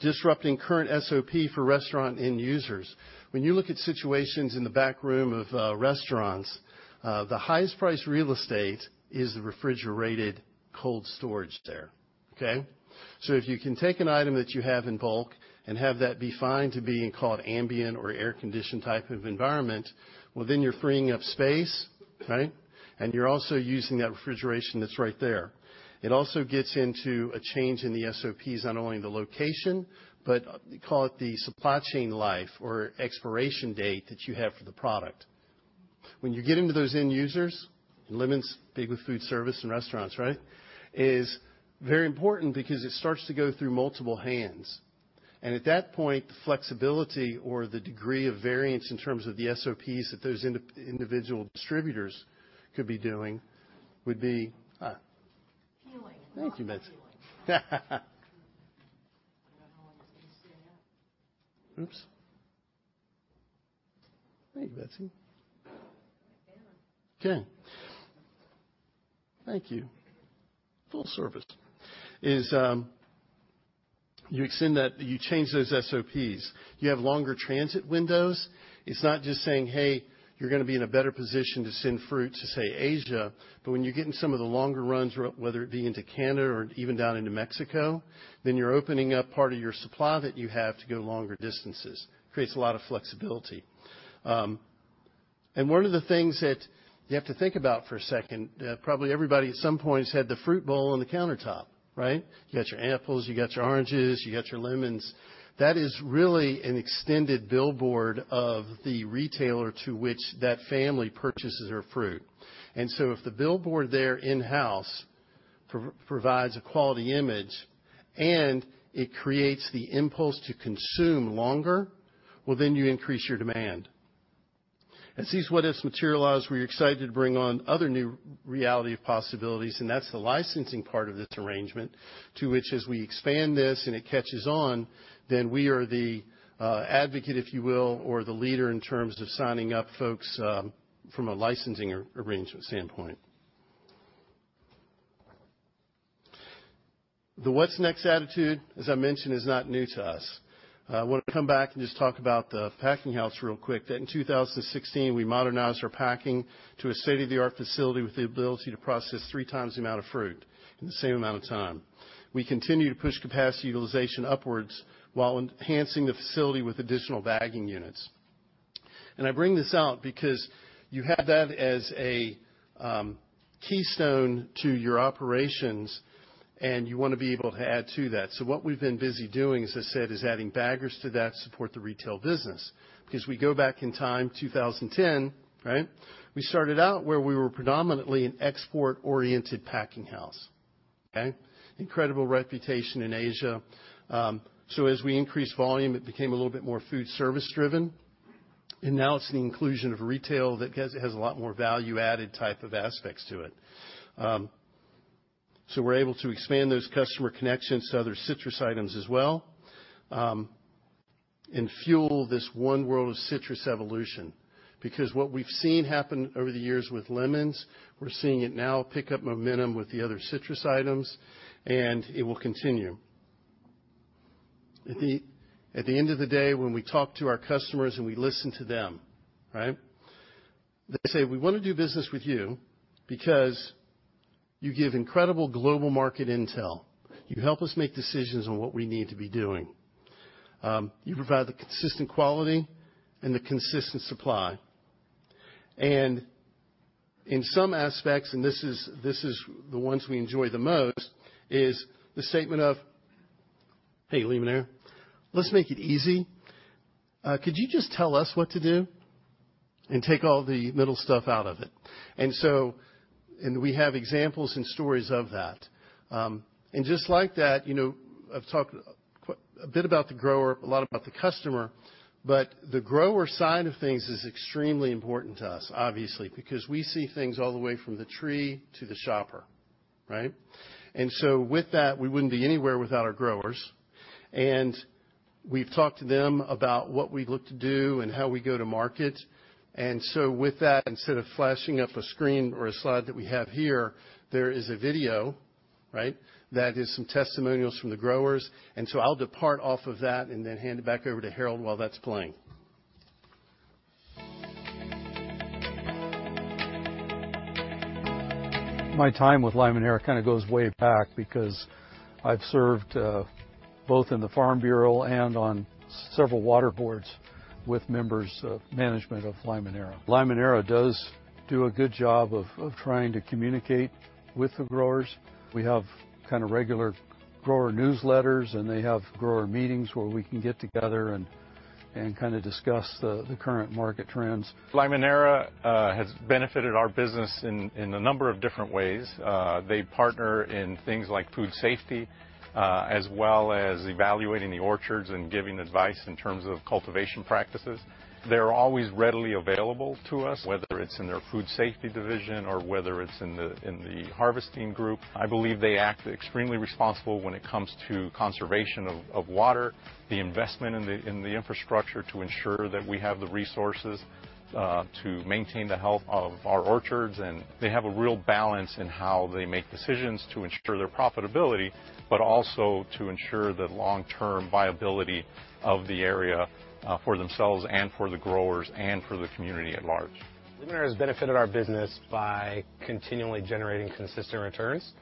[SPEAKER 3] disrupting current SOP for restaurant end users. When you look at situations in the backroom of restaurants, the highest price real estate is the refrigerated cold storage there, okay? If you can take an item that you have in bulk and have that be fine to be in called ambient or air-conditioned type of environment, well, you're freeing up space, right? You're also using that refrigeration that's right there. It also gets into a change in the SOPs on not only the location, but call it the supply chain life or expiration date that you have for the product. When you get into those end users, lemons, big with food service and restaurants, right? Is very important because it starts to go through multiple hands. At that point, the flexibility or the degree of variance in terms of the SOPs that those individual distributors could be doing would be.
[SPEAKER 4] Peeling.
[SPEAKER 3] Thank you, Betsy.
[SPEAKER 4] I don't know how long it's gonna stay up.
[SPEAKER 3] Oops! Thank you, Betsy.
[SPEAKER 4] You're welcome.
[SPEAKER 3] Okay. Thank you. Full service. Is, you extend that, you change those SOPs. You have longer transit windows. It's not just saying, "Hey, you're gonna be in a better position to send fruit to, say, Asia," but when you get in some of the longer runs, whether it be into Canada or even down into Mexico, then you're opening up part of your supply that you have to go longer distances. Creates a lot of flexibility. One of the things that you have to think about for a second, probably everybody at some point has had the fruit bowl on the countertop, right? You got your apples, you got your oranges, you got your lemons. That is really an extended billboard of the retailer to which that family purchases their fruit. If the billboard there in-house provides a quality image, and it creates the impulse to consume longer, then you increase your demand. As these what ifs materialize, we're excited to bring on other new reality of possibilities, and that's the licensing part of this arrangement, to which as we expand this and it catches on, then we are the advocate, if you will, or the leader in terms of signing up folks from a licensing arrangement standpoint. The what's next attitude, as I mentioned, is not new to us. I want to come back and just talk about the packing house real quick, that in 2016, we modernized our packing to a state-of-the-art facility with the ability to process three times the amount of fruit in the same amount of time. We continue to push capacity utilization upwards while enhancing the facility with additional bagging units. I bring this out because you have that as a keystone to your operations, and you want to be able to add to that. What we've been busy doing, as I said, is adding baggers to that to support the retail business. We go back in time, 2010, right? We started out where we were predominantly an export-oriented packing house. Okay? Incredible reputation in Asia. As we increased volume, it became a little bit more food service driven, and now it's the inclusion of retail that has a lot more value-added type of aspects to it. We're able to expand those customer connections to other citrus items as well, and fuel this One World of Citrus evolution. What we've seen happen over the years with lemons, we're seeing it now pick up momentum with the other citrus items, and it will continue. At the end of the day, when we talk to our customers and we listen to them, right, they say, "We want to do business with you because you give incredible global market intel. You help us make decisions on what we need to be doing. You provide the consistent quality and the consistent supply." In some aspects, and this is the ones we enjoy the most, is the statement of. Hey, Limoneira, let's make it easy. could you just tell us what to do and take all the middle stuff out of it? we have examples and stories of that. just like that, you know, I've talked a bit about the grower, a lot about the customer, but the grower side of things is extremely important to us, obviously, because we see things all the way from the tree to the shopper, right? with that, we wouldn't be anywhere without our growers, and we've talked to them about what we look to do and how we go to market. With that, instead of flashing up a screen or a slide that we have here, there is a video, right, that is some testimonials from the growers, and so I'll depart off of that and then hand it back over to Harold while that's playing.
[SPEAKER 2] My time with Limoneira kind of goes way back because I've served both in the Farm Bureau and on several water boards with members of management of Limoneira. Limoneira does do a good job of trying to communicate with the growers. We have kind of regular grower newsletters, and they have grower meetings where we can get together and kind of discuss the current market trends.
[SPEAKER 1] Limoneira has benefited our business in a number of different ways. They partner in things like food safety, as well as evaluating the orchards and giving advice in terms of cultivation practices. They're always readily available to us, whether it's in their food safety division or whether it's in the harvesting group. I believe they act extremely responsible when it comes to conservation of water, the investment in the infrastructure to ensure that we have the resources to maintain the health of our orchards, and they have a real balance in how they make decisions to ensure their profitability, but also to ensure the long-term viability of the area, for themselves and for the growers and for the community at large.
[SPEAKER 2] Limoneira has benefited our business by continually generating consistent returns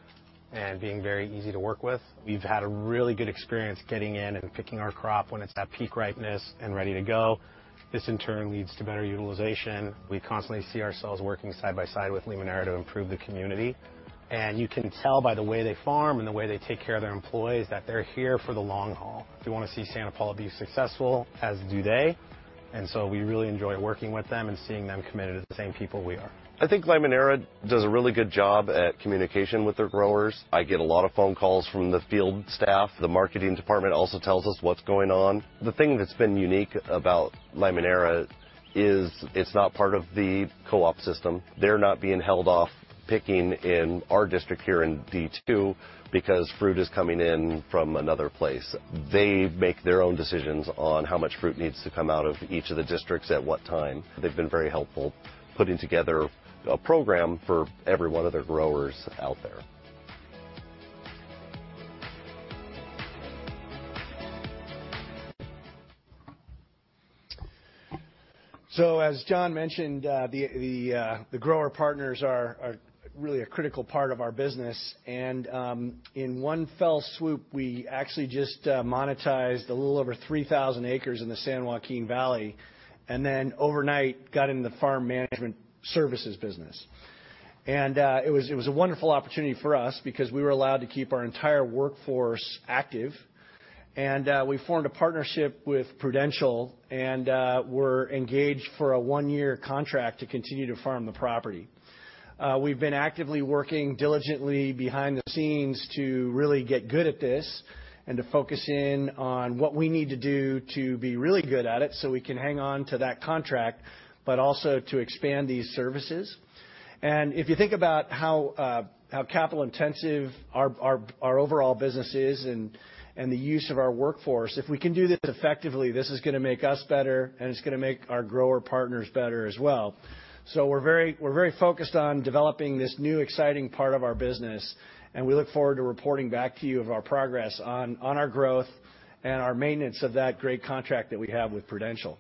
[SPEAKER 2] and being very easy to work with. We've had a really good experience getting in and picking our crop when it's at peak ripeness and ready to go. This, in turn, leads to better utilization. We constantly see ourselves working side by side with Limoneira to improve the community, and you can tell by the way they farm and the way they take care of their employees, that they're here for the long haul. We want to see Santa Paula be successful, as do they, and so we really enjoy working with them and seeing them committed to the same people we are.
[SPEAKER 1] I think Limoneira does a really good job at communication with their growers. I get a lot of phone calls from the field staff. The marketing department also tells us what's going on. The thing that's been unique about Limoneira is it's not part of the co-op system. They're not being held off picking in our district here in D2 because fruit is coming in from another place. They make their own decisions on how much fruit needs to come out of each of the districts at what time. They've been very helpful putting together a program for every one of their growers out there.
[SPEAKER 2] As John mentioned, the grower partners are really a critical part of our business, and in one fell swoop, we actually just monetized a little over 3,000 acres in the San Joaquin Valley, and then overnight, got into the farm management services business. It was a wonderful opportunity for us because we were allowed to keep our entire workforce active, and we formed a partnership with Prudential, and we're engaged for a one-year contract to continue to farm the property. We've been actively working diligently behind the scenes to really get good at this and to focus in on what we need to do to be really good at it, so we can hang on to that contract, but also to expand these services. If you think about how capital-intensive our overall business is and the use of our workforce, if we can do this effectively, this is gonna make us better, and it's gonna make our grower partners better as well. We're very focused on developing this new, exciting part of our business, and we look forward to reporting back to you of our progress on our growth and our maintenance of that great contract that we have with Prudential.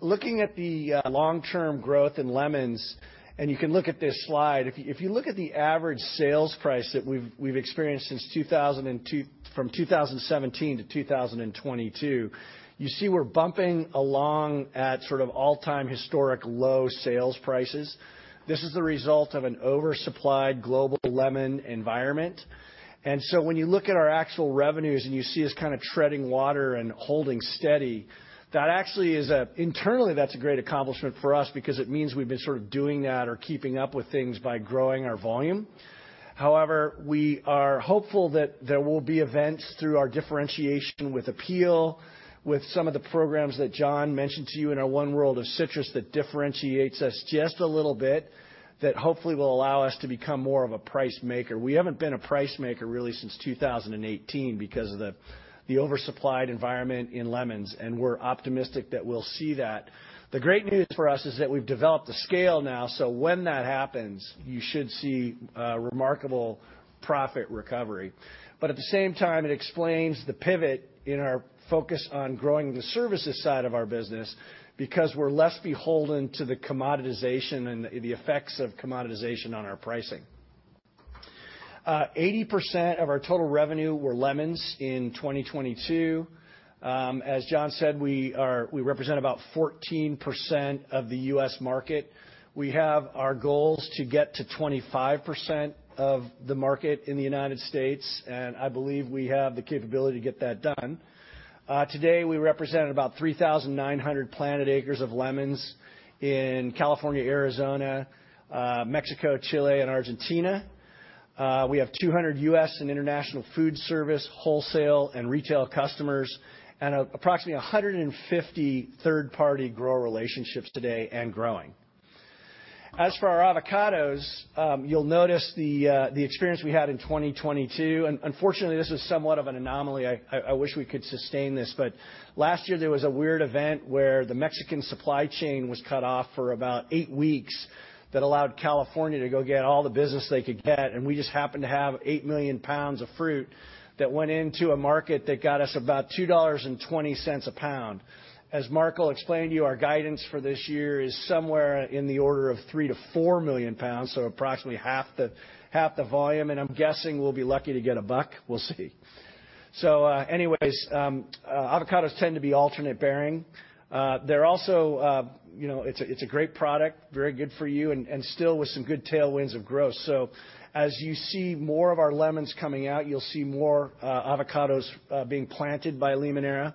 [SPEAKER 2] Looking at the long-term growth in lemons, you can look at this slide. If you look at the average sales price that we've experienced from 2017 to 2022, you see we're bumping along at sort of all-time historic low sales prices. This is the result of an oversupplied global lemon environment. When you look at our actual revenues and you see us kind of treading water and holding steady, that actually is internally, that's a great accomplishment for us because it means we've been sort of doing that or keeping up with things by growing our volume. However, we are hopeful that there will be events through our differentiation with Apeel, with some of the programs that John mentioned to you in our One World of Citrus, that differentiates us just a little bit, that hopefully will allow us to become more of a price maker. We haven't been a price maker really since 2018 because of the oversupplied environment in lemons, and we're optimistic that we'll see that. The great news for us is that we've developed the scale now. When that happens, you should see remarkable profit recovery. At the same time, it explains the pivot in our focus on growing the services side of our business because we're less beholden to the commoditization and the effects of commoditization on our pricing. 80% of our total revenue were lemons in 2022. As John said, we represent about 14% of the U.S. market. We have our goals to get to 25% of the market in the United States, and I believe we have the capability to get that done. Today, we represent about 3,900 planted acres of lemons in California, Arizona, Mexico, Chile, and Argentina. We have 200 U.S. and international food service, wholesale, and retail customers, approximately 150 third-party grower relationships today and growing. As for our avocados, you'll notice the experience we had in 2022, unfortunately, this is somewhat of an anomaly. I wish we could sustain this, last year there was a weird event where the Mexican supply chain was cut off for about 8 weeks that allowed California to go get all the business they could get, we just happened to have eight million pounds of fruit that went into a market that got us about $2.20 a pound. As Marco explained to you, our guidance for this year is somewhere in the order of three to four million pounds, so approximately half the volume, and I'm guessing we'll be lucky to get $1. We'll see. Anyways, avocados tend to be alternate bearing. They're also, you know, it's a great product, very good for you and still with some good tailwinds of growth. As you see more of our lemons coming out, you'll see more avocados being planted by Limoneira.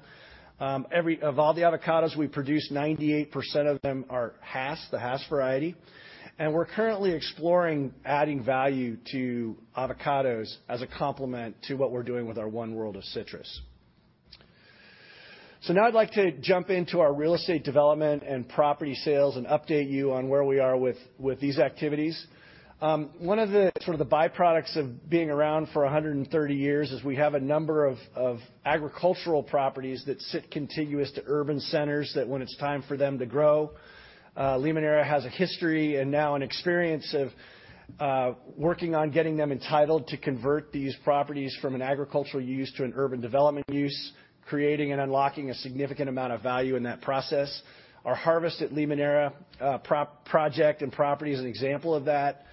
[SPEAKER 2] Of all the avocados we produce, 98% of them are Hass, the Hass variety, and we're currently exploring adding value to avocados as a complement to what we're doing with our One World of Citrus. Now I'd like to jump into our real estate development and property sales and update you on where we are with these activities. One of the sort of the byproducts of being around for 130 years is we have a number of agricultural properties that sit contiguous to urban centers, that when it's time for them to grow, Limoneira has a history and now an experience of working on getting them entitled to convert these properties from an agricultural use to an urban development use, creating and unlocking a significant amount of value in that process. Our Harvest at Limoneira project and property is an example of that.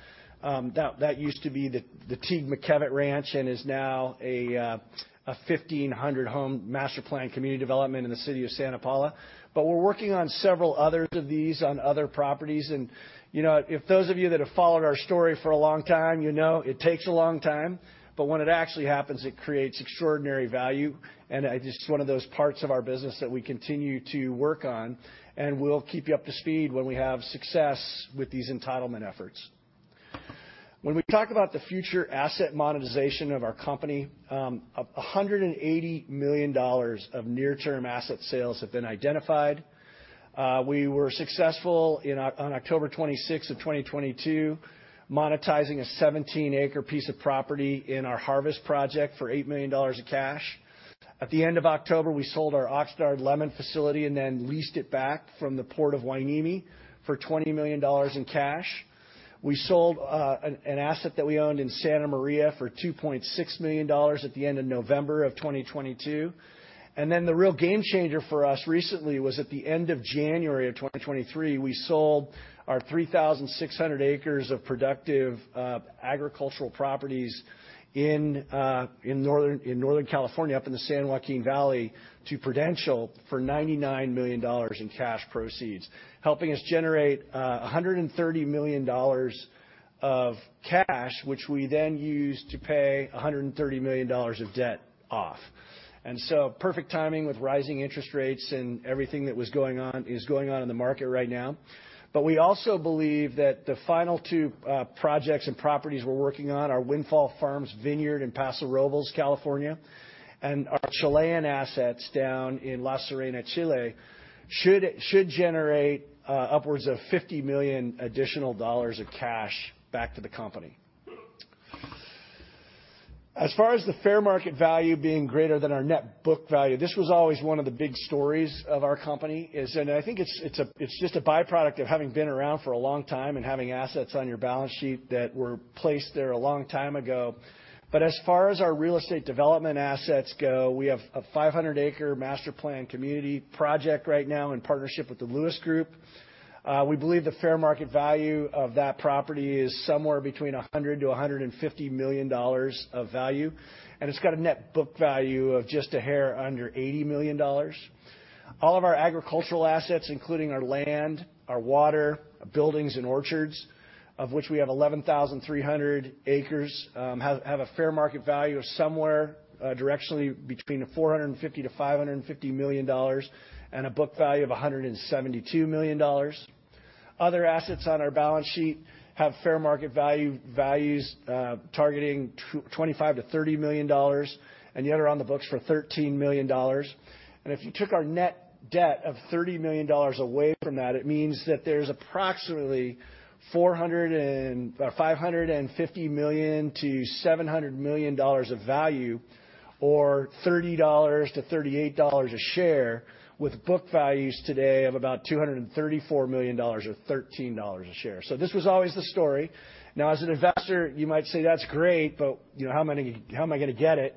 [SPEAKER 2] That used to be the Teague-McKevett Ranch and is now a 1,500-home master-planned community development in the city of Santa Paula. We're working on several others of these on other properties, and, you know, if those of you that have followed our story for a long time, you know it takes a long time, but when it actually happens, it creates extraordinary value, and it's just one of those parts of our business that we continue to work on, and we'll keep you up to speed when we have success with these entitlement efforts. When we talk about the future asset monetization of our company, $180 million of near-term asset sales have been identified. We were successful on October 26, 2022, monetizing a 17-acre piece of property in our Harvest project for $8 million of cash. At the end of October, we sold our Oxnard lemon facility and then leased it back from the Port of Hueneme for $20 million in cash. We sold an asset that we owned in Santa Maria for $2.6 million at the end of November of 2022. The real game changer for us recently was at the end of January of 2023, we sold our 3,600 acres of productive agricultural properties in Northern California, up in the San Joaquin Valley, to Prudential for $99 million in cash proceeds, helping us generate $130 million of cash, which we then used to pay $130 million of debt off. Perfect timing with rising interest rates and everything that was going on is going on in the market right now. We also believe that the final two projects and properties we're working on, our Windfall Farms Vineyard in Paso Robles, California, and our Chilean assets down in La Serena, Chile, should generate upwards of $50 million additional dollars of cash back to the company. As far as the fair market value being greater than our net book value, this was always one of the big stories of our company is, and I think it's just a byproduct of having been around for a long time and having assets on your balance sheet that were placed there a long time ago. As far as our real estate development assets go, we have a 500-acre master-planned community project right now in partnership with the Lewis Group. We believe the fair market value of that property is somewhere between $100 million-$150 million of value, and it's got a net book value of just a hair under $80 million. All of our agricultural assets, including our land, our water, buildings, and orchards, of which we have 11,300 acres, have a fair market value of somewhere, directionally between $450 million-$550 million and a book value of $172 million. Other assets on our balance sheet have fair market values, targeting $25 million-$30 million, and yet are on the books for $13 million. If you took our net debt of $30 million away from that, it means that there's approximately $550 million-$700 million of value or $30-$38 a share, with book values today of about $234 million or $13 a share. This was always the story. As an investor, you might say, "That's great, but, you know, how am I going to get it?"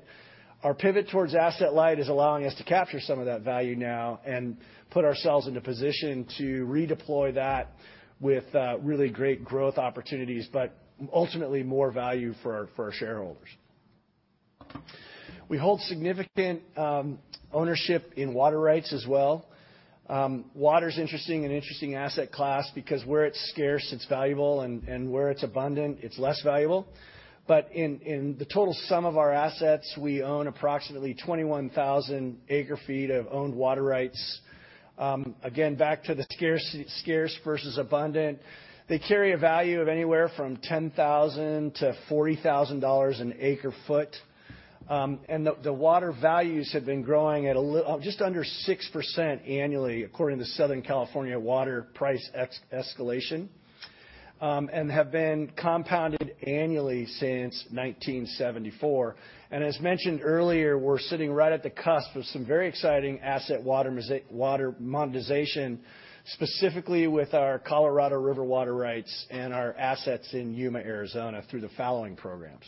[SPEAKER 2] Our pivot towards asset-light is allowing us to capture some of that value now and put ourselves in a position to redeploy that with really great growth opportunities, but ultimately more value for our, for our shareholders. We hold significant ownership in water rights as well. Water's interesting, an interesting asset class because where it's scarce, it's valuable, and where it's abundant, it's less valuable. In the total sum of our assets, we own approximately 21,000 acre feet of owned water rights. Again, back to the scarce versus abundant, they carry a value of anywhere from $10,000 to $40,000 an acre foot. The water values have been growing at just under 6% annually, according to Southern California water price escalation, and have been compounded annually since 1974. As mentioned earlier, we're sitting right at the cusp of some very exciting asset water monetization, specifically with our Colorado River water rights and our assets in Yuma, Arizona, through the fallowing programs.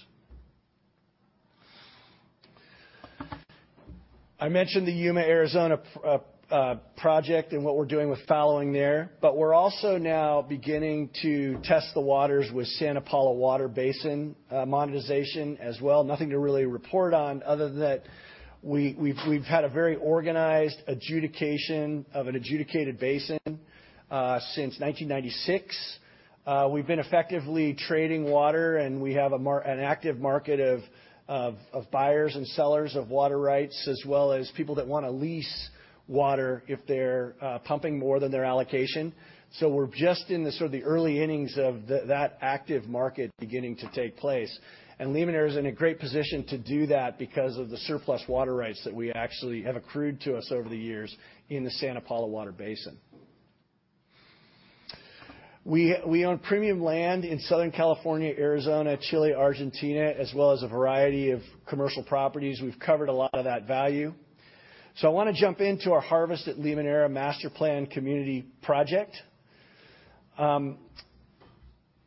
[SPEAKER 2] I mentioned the Yuma, Arizona, project and what we're doing with fallowing there. We're also now beginning to test the waters with Santa Paula Water Basin monetization as well. Nothing to really report on other than that we've had a very organized adjudication of an adjudicated basin since 1996. We've been effectively trading water, and we have an active market of buyers and sellers of water rights, as well as people that want to lease water if they're pumping more than their allocation. We're just in the sort of the early innings of that active market beginning to take place. Limoneira is in a great position to do that because of the surplus water rights that we actually have accrued to us over the years in the Santa Paula Water Basin. We own premium land in Southern California, Arizona, Chile, Argentina, as well as a variety of commercial properties. We've covered a lot of that value. I wanna jump into our Harvest at Limoneira master planned community project.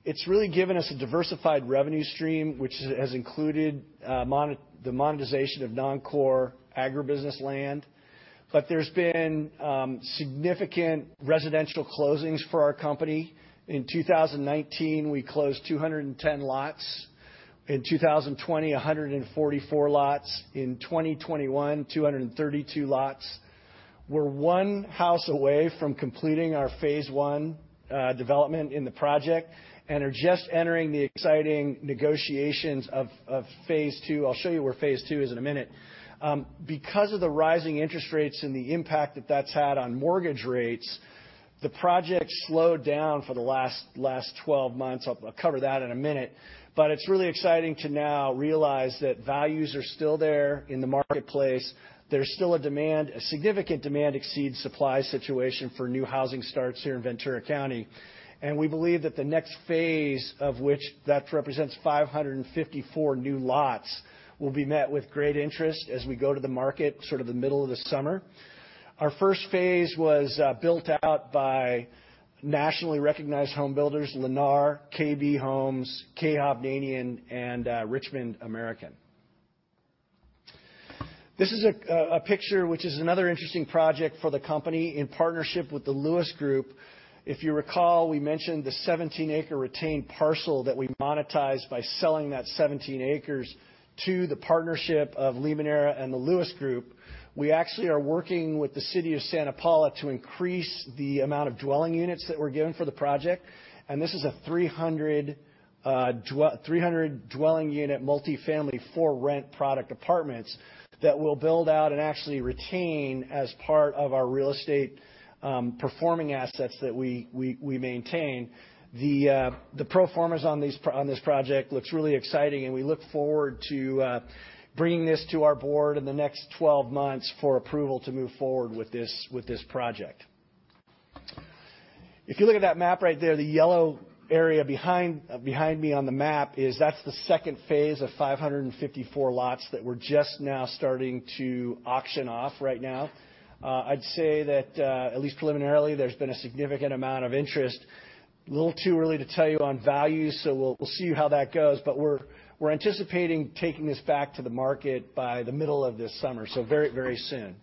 [SPEAKER 2] It's really given us a diversified revenue stream, which has included the monetization of non-core agribusiness land. There's been significant residential closings for our company. In 2019, we closed 210 lots. In 2020, 144 lots. In 2021, 232 lots. We're one house away from completing our phase one development in the project and are just entering the exciting negotiations of phase II. I'll show you where phase II is in a minute. Because of the rising interest rates and the impact that that's had on mortgage rates, the project slowed down for the last 12 months. I'll cover that in a minute. It's really exciting to now realize that values are still there in the marketplace. There's still a demand, a significant demand exceeds supply situation for new housing starts here in Ventura County, and we believe that the next phase, of which that represents 554 new lots, will be met with great interest as we go to the market, sort of the middle of the summer. Our first phase was built out by nationally recognized home builders, Lennar, KB Home, K. Hovnanian Homes, and Richmond American Homes. This is a picture, which is another interesting project for the company in partnership with the Lewis Group of Companies. If you recall, we mentioned the 17-acre retained parcel that we monetized by selling that 17 acres to the partnership of Limoneira and the Lewis Group. We actually are working with the city of Santa Paula to increase the amount of dwelling units that we're given for the project. This is a 300 dwelling unit, multifamily for rent product apartments that we'll build out and actually retain as part of our real estate performing assets that we maintain. The pro formas on these, on this project looks really exciting. We look forward to bringing this to our board in the next 12 months for approval to move forward with this project. If you look at that map right there, the yellow area behind me on the map is that's the second phase of 554 lots that we're just now starting to auction off right now. I'd say that, at least preliminarily, there's been a significant amount of interest. A little too early to tell you on values, so we'll see how that goes. We're anticipating taking this back to the market by the middle of this summer, so very, very soon.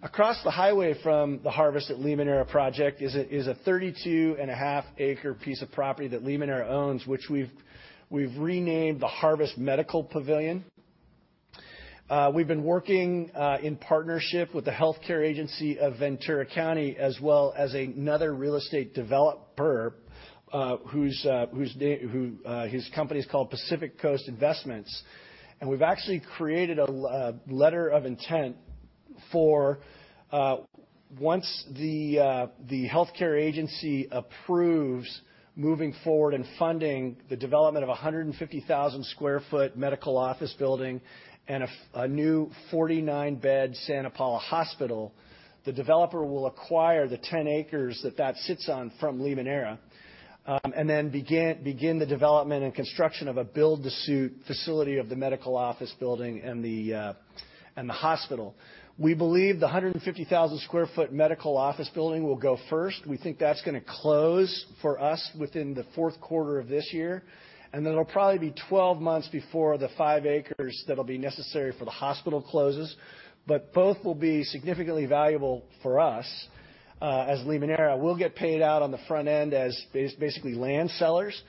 [SPEAKER 2] Across the highway from the Harvest at Limoneira project is a 32 and a half acre piece of property that Limoneira owns, which we've renamed the Harvest Medical Pavilion. We've been working in partnership with the Ventura County Health Care Agency, as well as another real estate developer, his company is called Pacific Coast Investments. We've actually created a letter of intent for once the Health Care Agency approves moving forward and funding the development of a 150,000 sq ft medical office building and a new 49-bed Santa Paula Hospital, the developer will acquire the 10 acres that sits on from Limoneira, and then begin the development and construction of a build-to-suit facility of the medical office building and the hospital. We believe the 150,000 sq ft medical office building will go first. We think that's gonna close for us within the fourth quarter of this year. It'll probably be 12 months before the five acres that'll be necessary for the hospital closes. Both will be significantly valuable for us as Limoneira. We'll get paid out on the front end as basically land sellers,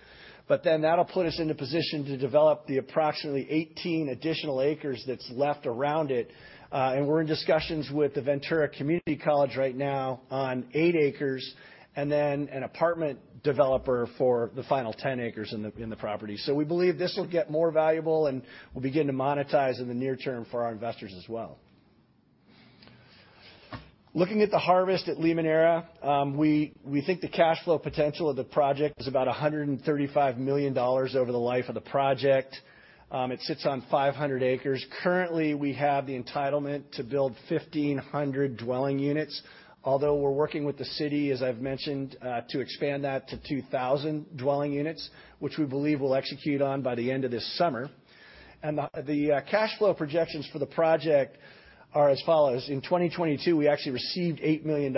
[SPEAKER 2] but then that'll put us in a position to develop the approximately 18 additional acres that's left around it. We're in discussions with the Ventura Community College right now on eight acres, and then an apartment developer for the final 10 acres in the property. We believe this will get more valuable, and we'll begin to monetize in the near term for our investors as well. Looking at the Harvest at Limoneira, we think the cash flow potential of the project is about $135 million over the life of the project. It sits on 500 acres. Currently, we have the entitlement to build 1,500 dwelling units, although we're working with the city, as I've mentioned, to expand that to 2,000 dwelling units, which we believe we'll execute on by the end of this summer. The cash flow projections for the project are as follows: In 2022, we actually received $8 million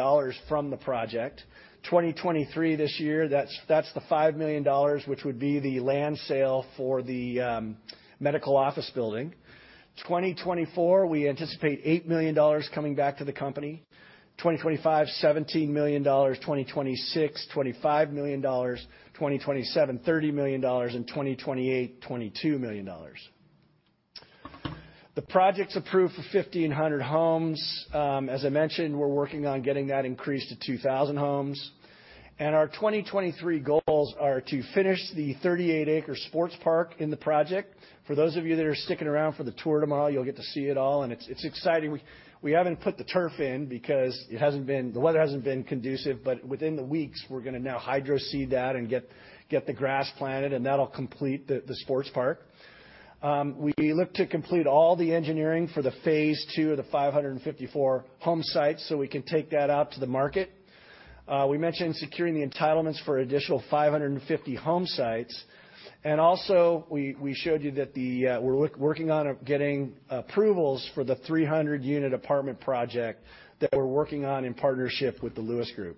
[SPEAKER 2] from the project. 2023, this year, that's the $5 million, which would be the land sale for the medical office building. 2024, we anticipate $8 million coming back to the company. 2025, $17 million, 2026, $25 million, 2027, $30 million, 2028, $22 million. The project's approved for 1,500 homes. As I mentioned, we're working on getting that increased to 2,000 homes. Our 2023 goals are to finish the 38-acre sports park in the project. For those of you that are sticking around for the tour tomorrow, you'll get to see it all, and it's exciting. We haven't put the turf in because the weather hasn't been conducive, but within the weeks, we're gonna now hydro seed that and get the grass planted, and that'll complete the sports park. We look to complete all the engineering for the phase II of the 554 home sites, so we can take that out to the market. We mentioned securing the entitlements for an additional 550 home sites. Also, we showed you that we're working on getting approvals for the 300 unit apartment project that we're working on in partnership with the Lewis Group.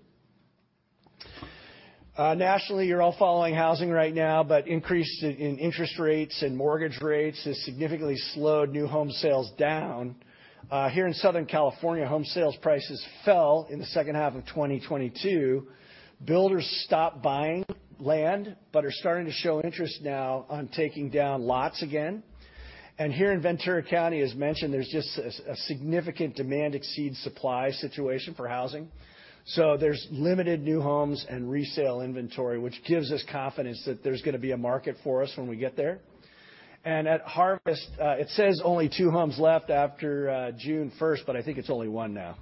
[SPEAKER 2] Nationally, you're all following housing right now, increase in interest rates and mortgage rates has significantly slowed new home sales down. Here in Southern California, home sales prices fell in the second half of 2022. Builders stopped buying land, are starting to show interest now on taking down lots again. Here in Ventura County, as mentioned, there's just a significant demand exceeds supply situation for housing. There's limited new homes and resale inventory, which gives us confidence that there's gonna be a market for us when we get there. At Harvest, it says only two homes left after June first, but I think it's only one now.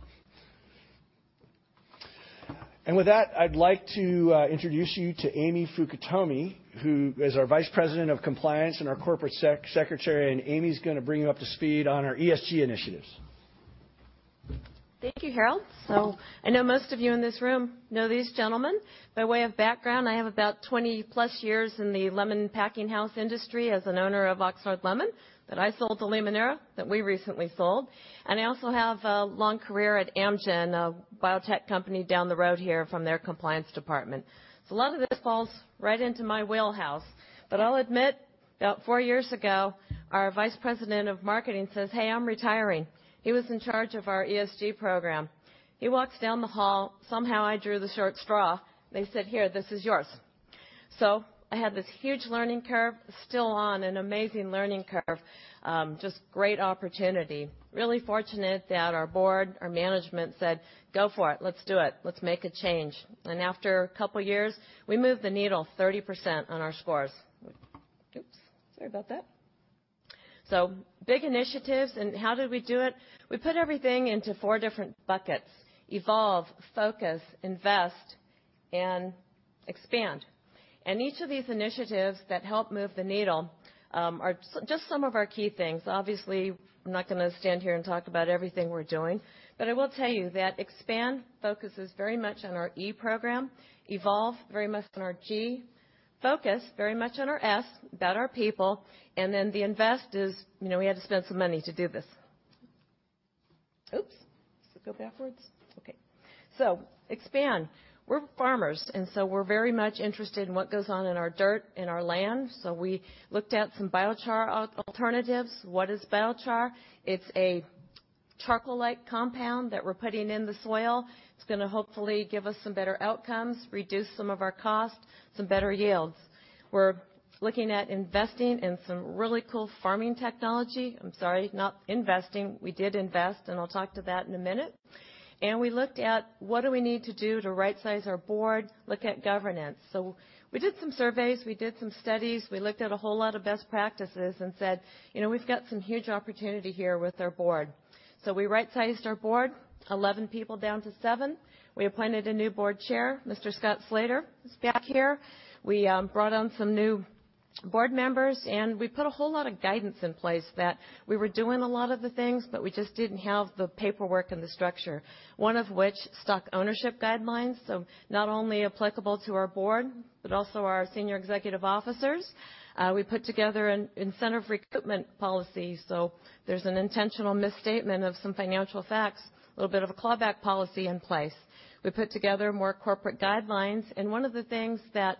[SPEAKER 2] With that, I'd like to introduce you to Amy Fukutomi, who is our Vice President of Compliance and our Corporate Secretary, and Amy's gonna bring you up to speed on our ESG initiatives.
[SPEAKER 5] Thank you, Harold. I know most of you in this room know these gentlemen. By way of background, I have about 20+ years in the lemon packing house industry as an owner of Oxnard Lemon, that I sold to Limoneira, that we recently sold. I also have a long career at Amgen, a biotech company down the road here, from their compliance department. A lot of this falls right into my wheelhouse, but I'll admit, about four years ago, our vice president of marketing says: "Hey, I'm retiring." He was in charge of our ESG program. He walks down the hall. Somehow I drew the short straw. They said: "Here, this is yours." I had this huge learning curve, still on an amazing learning curve, just great opportunity. Really fortunate that our board, our management said: "Go for it. Let's do it. Let's make a change." After a couple of years, we moved the needle 30% on our scores. Oops, sorry about that. Big initiatives, and how did we do it? We put everything into four different buckets: evolve, focus, invest, and expand. Each of these initiatives that help move the needle, just some of our key things. Obviously, I'm not gonna stand here and talk about everything we're doing, but I will tell you that expand focuses very much on our E program, evolve very much on our G, focus, very much on our S, about our people, and then the invest is, you know, we had to spend some money to do this. Oops, does it go backwards? Okay. Expand. We're farmers, we're very much interested in what goes on in our dirt and our land, we looked at some biochar alternatives. What is biochar? It's a charcoal-like compound that we're putting in the soil. It's going to hopefully give us some better outcomes, reduce some of our costs, some better yields. We're looking at investing in some really cool farming technology. I'm sorry, not investing. We did invest, I'll talk to that in a minute. We looked at what do we need to do to rightsize our board, look at governance. We did some surveys, we did some studies, we looked at a whole lot of best practices and said: "You know, we've got some huge opportunity here with our board." We rightsized our board, 11 people down to seven. We appointed a new board chair, Mr. Scott Slater, who's back here. We brought on some new board members, and we put a whole lot of guidance in place that we were doing a lot of the things, but we just didn't have the paperwork and the structure. One of which, stock ownership guidelines. Not only applicable to our board, but also our senior executive officers. We put together an incentive recruitment policy, so if there's an intentional misstatement of some financial facts, a little bit of a clawback policy in place. We put together more corporate guidelines, and one of the things that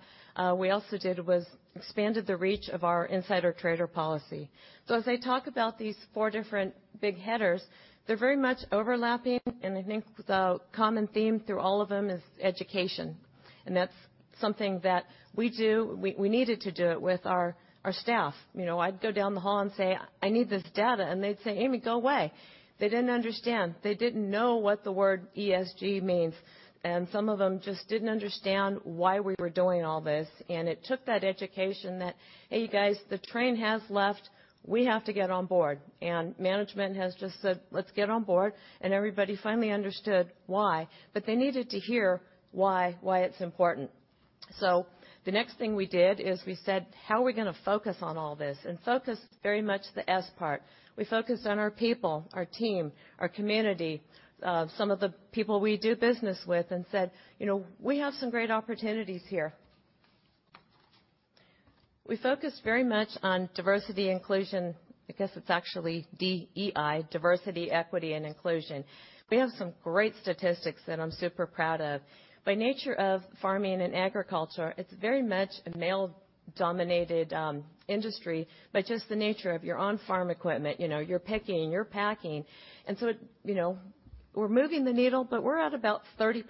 [SPEAKER 5] we also did was expanded the reach of our insider trader policy. As I talk about these four different big headers, they're very much overlapping, and I think the common theme through all of them is education. That's something that we needed to do it with our staff. You know, I'd go down the hall and say, "I need this data," and they'd say, "Amy, go away." They didn't understand. They didn't know what the word ESG means, and some of them just didn't understand why we were doing all this. It took that education that, "Hey, you guys, the train has left. We have to get on board." Management has just said, "Let's get on board," and everybody finally understood why, but they needed to hear why it's important. The next thing we did is we said: How are we gonna focus on all this? Focus very much the S part. We focused on our people, our team, our community, some of the people we do business with, and said, "You know, we have some great opportunities here." We focus very much on diversity inclusion, because it's actually DEI, diversity, equity, and inclusion. We have some great statistics that I'm super proud of. By nature of farming and agriculture, it's very much a male-dominated industry, but just the nature of you're on farm equipment, you know, you're picking, you're packing. You know, we're moving the needle, but we're at about 30%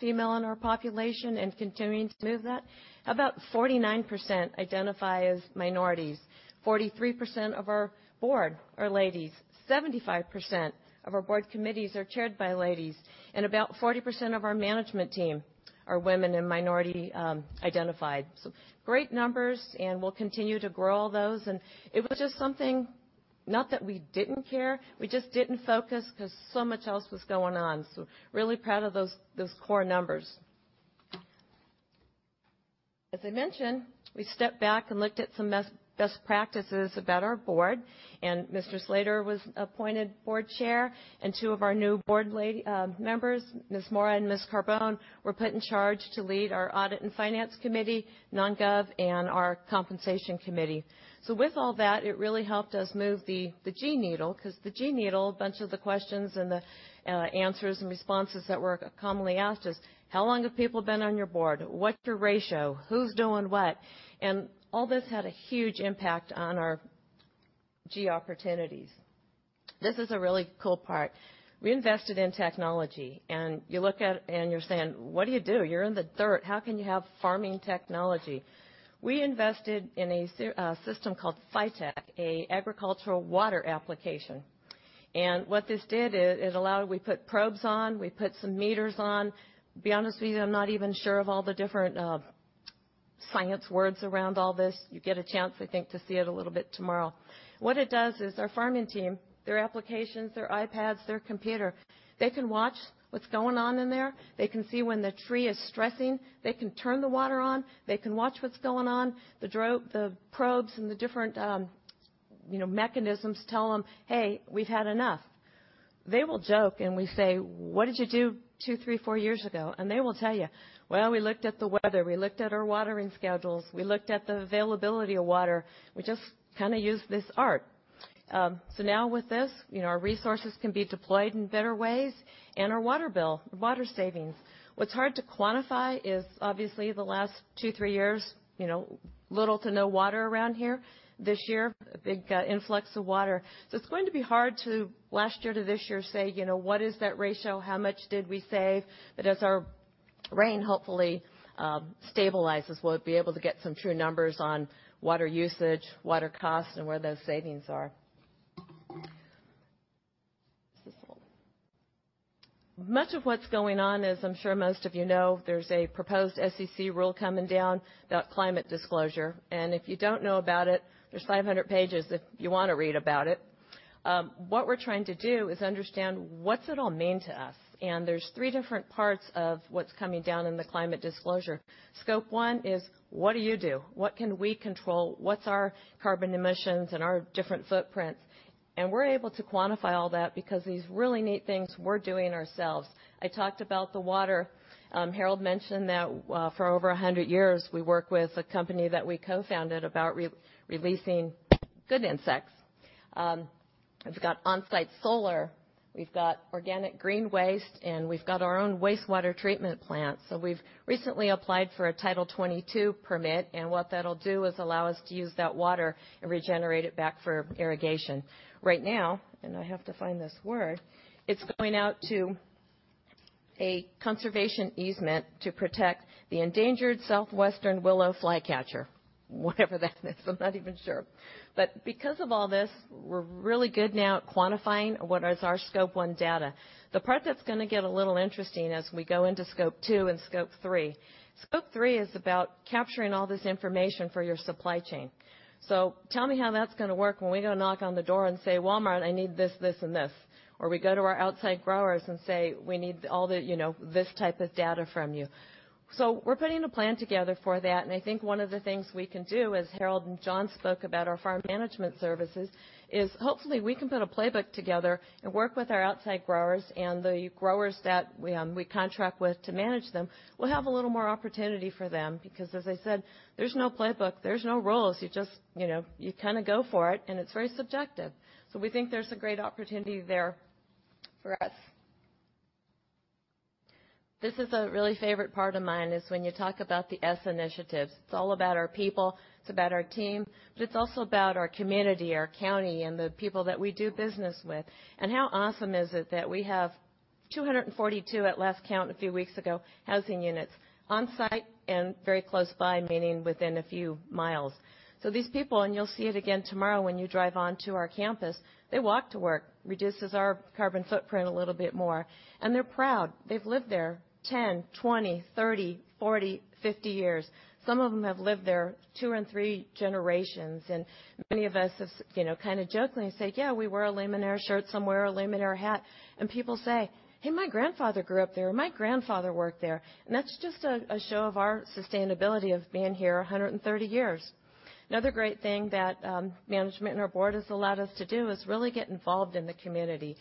[SPEAKER 5] female in our population and continuing to move that. About 49% identify as minorities. 43% of our Board are ladies. 75% of our Board committees are chaired by ladies, and about 40% of our management team are women and minority identified. Great numbers, and we'll continue to grow all those. It was just something, not that we didn't care, we just didn't focus because so much else was going on. Really proud of those core numbers. As I mentioned, we stepped back and looked at some best practices about our board, and Mr. Slater was appointed Board Chair, and two of our new board lady members, Ms. Mora and Ms. Carbone, were put in charge to lead our Audit and Finance Committee, Nom/Gov and our Compensation Committee. With all that, it really helped us move the G needle, 'cause the G needle, a bunch of the questions and the answers and responses that were commonly asked is: How long have people been on your board? What's your ratio? Who's doing what? All this had a huge impact on our G opportunities. This is a really cool part. We invested in technology, and you look at it, and you're saying: "What do you do? You're in the dirt. How can you have farming technology?" We invested in a system called Phytech, a agricultural water application. What this did is, it allowed... We put probes on, we put some meters on. To be honest with you, I'm not even sure of all the different science words around all this. You get a chance, I think, to see it a little bit tomorrow. What it does is our farming team, their applications, their iPads, their computer, they can watch what's going on in there. They can see when the tree is stressing. They can turn the water on, they can watch what's going on. The probes and the different, you know, mechanisms tell them, "Hey, we've had enough." They will joke, we say, "What did you do two, three, four years ago?" They will tell you, "Well, we looked at the weather, we looked at our watering schedules, we looked at the availability of water. We just kinda used this art." Now with this, you know, our resources can be deployed in better ways and our water bill, water savings. What's hard to quantify is obviously the last two, three years, you know, little to no water around here. This year, a big influx of water. It's going to be hard to last year to this year say, you know, what is that ratio? How much did we save? As our rain hopefully stabilizes, we'll be able to get some true numbers on water usage, water costs, and where those savings are. Much of what's going on, as I'm sure most of you know, there's a proposed SEC rule coming down about climate disclosure, and if you don't know about it, there's 500 pages if you want to read about it. What we're trying to do is understand what's it all mean to us, and there's three different parts of what's coming down in the climate disclosure. Scope 1 is, what do you do? What can we control? What's our carbon emissions and our different footprints? We're able to quantify all that because these really neat things we're doing ourselves. I talked about the water. Harold mentioned that for over 100 years, we work with a company that we co-founded about re-releasing good insects. We've got on-site solar, we've got organic green waste, and we've got our own wastewater treatment plant. We've recently applied for a Title 22 permit, and what that'll do is allow us to use that water and regenerate it back for irrigation. Right now, and I have to find this word, it's going out to a conservation easement to protect the endangered Southwestern Willow Flycatcher, whatever that is I'm not even sure. Because of all this, we're really good now at quantifying what is our Scope 1 data. The part that's gonna get a little interesting as we go into Scope 2 and Scope 3. Scope 3 is about capturing all this information for your supply chain. Tell me how that's gonna work when we go knock on the door and say, "Walmart, I need this, and this." Or we go to our outside growers and say, "We need all the, you know, this type of data from you." We're putting a plan together for that, and I think one of the things we can do, as Harold and John spoke about our farm management services, is hopefully we can put a playbook together and work with our outside growers, and the growers that we contract with to manage them, we'll have a little more opportunity for them, because, as I said, there's no playbook, there's no rules. You just, you know, you kind of go for it, and it's very subjective. We think there's a great opportunity there for us. This is a really favorite part of mine, is when you talk about the S initiatives. It's all about our people, it's about our team, but it's also about our community, our county, and the people that we do business with. How awesome is it that we have 242, at last count, a few weeks ago, housing units on site and very close by, meaning within a few miles. These people, and you'll see it again tomorrow when you drive on to our campus, they walk to work, reduces our carbon footprint a little bit more, and they're proud. They've lived there 10, 20, 30, 40, 50 years. Some of them have lived there two and three generations, and many of us have you know, kind of jokingly say, "Yeah, we wear a Limoneira shirt, some wear a Limoneira hat." People say, "Hey, my grandfather grew up there," or, "My grandfather worked there." That's just a show of our sustainability of being here 130 years. Another great thing that management and our board has allowed us to do, is really get involved in the community.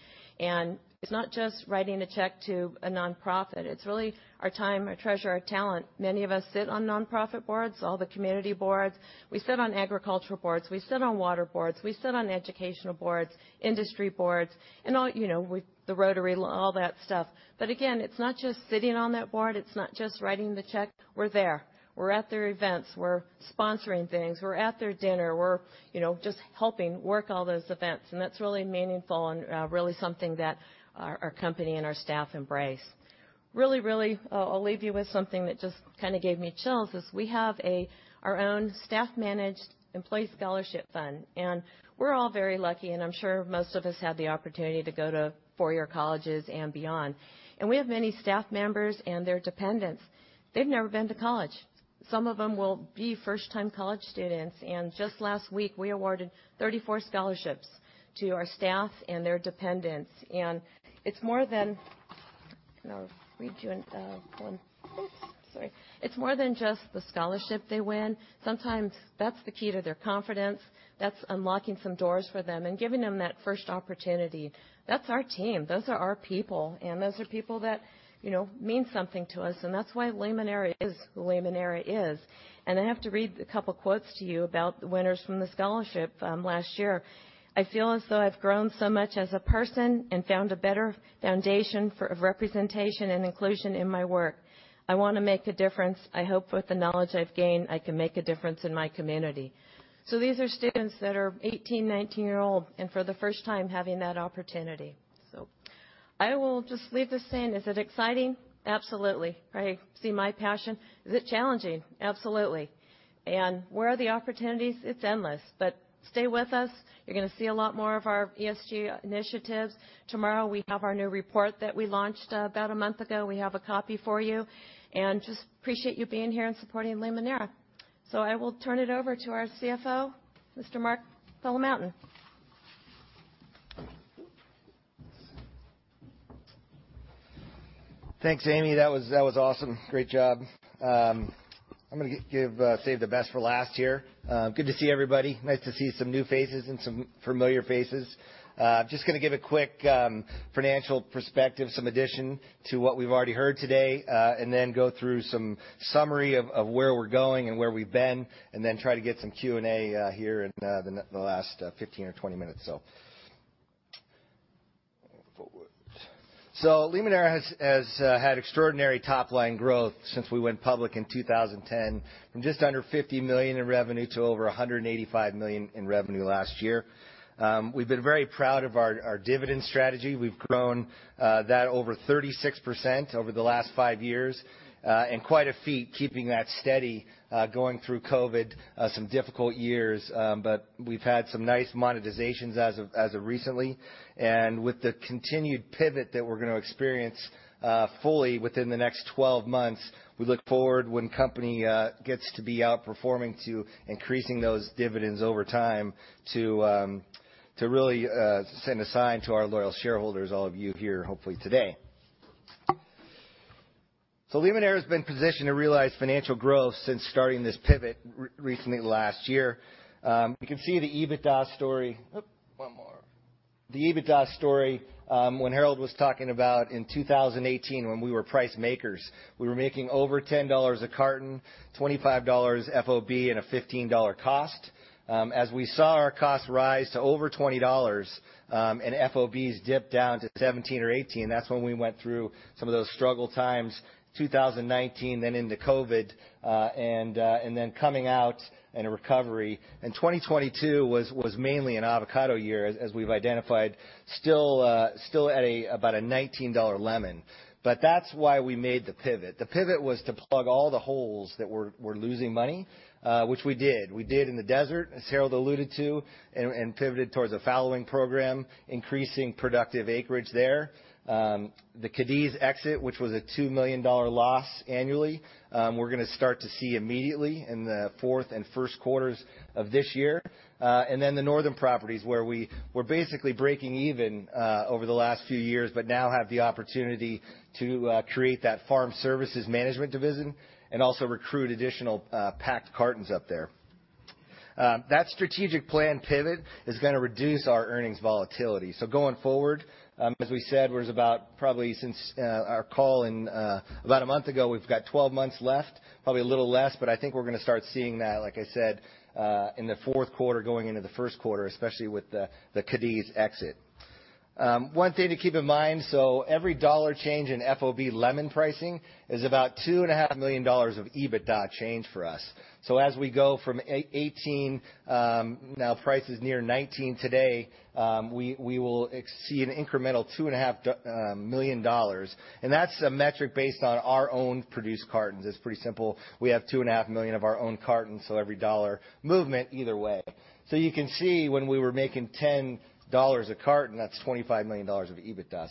[SPEAKER 5] It's not just writing a check to a nonprofit, it's really our time, our treasure, our talent. Many of us sit on nonprofit boards, all the community boards. We sit on agricultural boards, we sit on water boards, we sit on educational boards, industry boards, and all, you know, with the Rotary, all that stuff. Again, it's not just sitting on that board, it's not just writing the check. We're there. We're at their events, we're sponsoring things, we're at their dinner, we're, you know, just helping work all those events, and that's really meaningful and really something that our company and our staff embrace. Really, I'll leave you with something that just kind of gave me chills, is we have our own staff-managed employee scholarship fund, and we're all very lucky, and I'm sure most of us had the opportunity to go to four-year colleges and beyond. We have many staff members and their dependents, they've never been to college. Some of them will be first-time college students, and just last week, we awarded 34 scholarships to our staff and their dependents. It's more than... I'll read you a note. Ooh! Sorry. It's more than just the scholarship they win. Sometimes that's the key to their confidence. That's unlocking some doors for them and giving them that first opportunity. That's our team, those are our people, and those are people that, you know, mean something to us, and that's why Limoneira is who Limoneira is. I have to read a couple quotes to you about the winners from the scholarship last year. "I feel as though I've grown so much as a person and found a better foundation for representation and inclusion in my work. I want to make a difference. I hope with the knowledge I've gained, I can make a difference in my community." These are students that are 18, 19 year old, and for the first time, having that opportunity. I will just leave this saying: Is it exciting? Absolutely. Right? See my passion. Is it challenging? Absolutely. Where are the opportunities? It's endless. Stay with us, you're gonna see a lot more of our ESG initiatives. Tomorrow, we have our new report that we launched about a month ago. We have a copy for you, and just appreciate you being here and supporting Limoneira. I will turn it over to our CFO, Mr. Mark Palamountain.
[SPEAKER 6] Thanks, Amy. That was awesome. Great job. I'm gonna give save the best for last here. Good to see everybody. Nice to see some new faces and some familiar faces. Just gonna give a quick financial perspective, some addition to what we've already heard today, and then go through some summary of where we're going and where we've been, and then try to get some Q&A here in the last 15 or 20 minutes. Limoneira has had extraordinary top-line growth since we went public in 2010, from just under $50 million in revenue to over $185 million in revenue last year. We've been very proud of our dividend strategy. We've grown that over 36% over the last five years, quite a feat, keeping that steady, going through COVID, some difficult years. We've had some nice monetizations as of recently, with the continued pivot that we're gonna experience fully within the next 12 months, we look forward when company gets to be outperforming to increasing those dividends over time, to really send a sign to our loyal shareholders, all of you here, hopefully today. Limoneira has been positioned to realize financial growth since starting this pivot recently last year. You can see the EBITDA story. Oop! One more. The EBITDA story, when Harold was talking about in 2018, when we were price makers, we were making over $10 a carton, $25 FOB and a $15 cost. As we saw our costs rise to over $20, and FOBs dip down to 17 or 18, that's when we went through some of those struggle times, 2019, then into COVID, and then coming out in a recovery. 2022 was mainly an avocado year, as we've identified, still at about a $19 lemon. That's why we made the pivot. The pivot was to plug all the holes that were losing money, which we did. We did in the desert, as Harold alluded to, and pivoted towards a fallowing program, increasing productive acreage there. The Cadiz exit, which was a $2 million loss annually, we're going to start to see immediately in the fourth and first quarters of this year. The northern properties, where we were basically breaking even over the last few years, but now have the opportunity to create that farm services management division and also recruit additional packed cartons up there.... That strategic plan pivot is going to reduce our earnings volatility. Going forward, as we said, was about probably since our call in about 1 month ago, we have got 12 months left, probably a little less, but I think we're going to start seeing that, like I said, in the fourth quarter, going into the 1st quarter, especially with the Cadiz exit. One thing to keep in mind, every dollar change in FOB lemon pricing is about $2.5 million of EBITDA change for us. As we go from $18, now prices near $19 today, we will see an incremental $2.5 million, and that's a metric based on our own produced cartons. It's pretty simple. We have 2.5 million of our own cartons, every dollar movement either way. You can see when we were making $10 a carton, that's $25 million of EBITDA.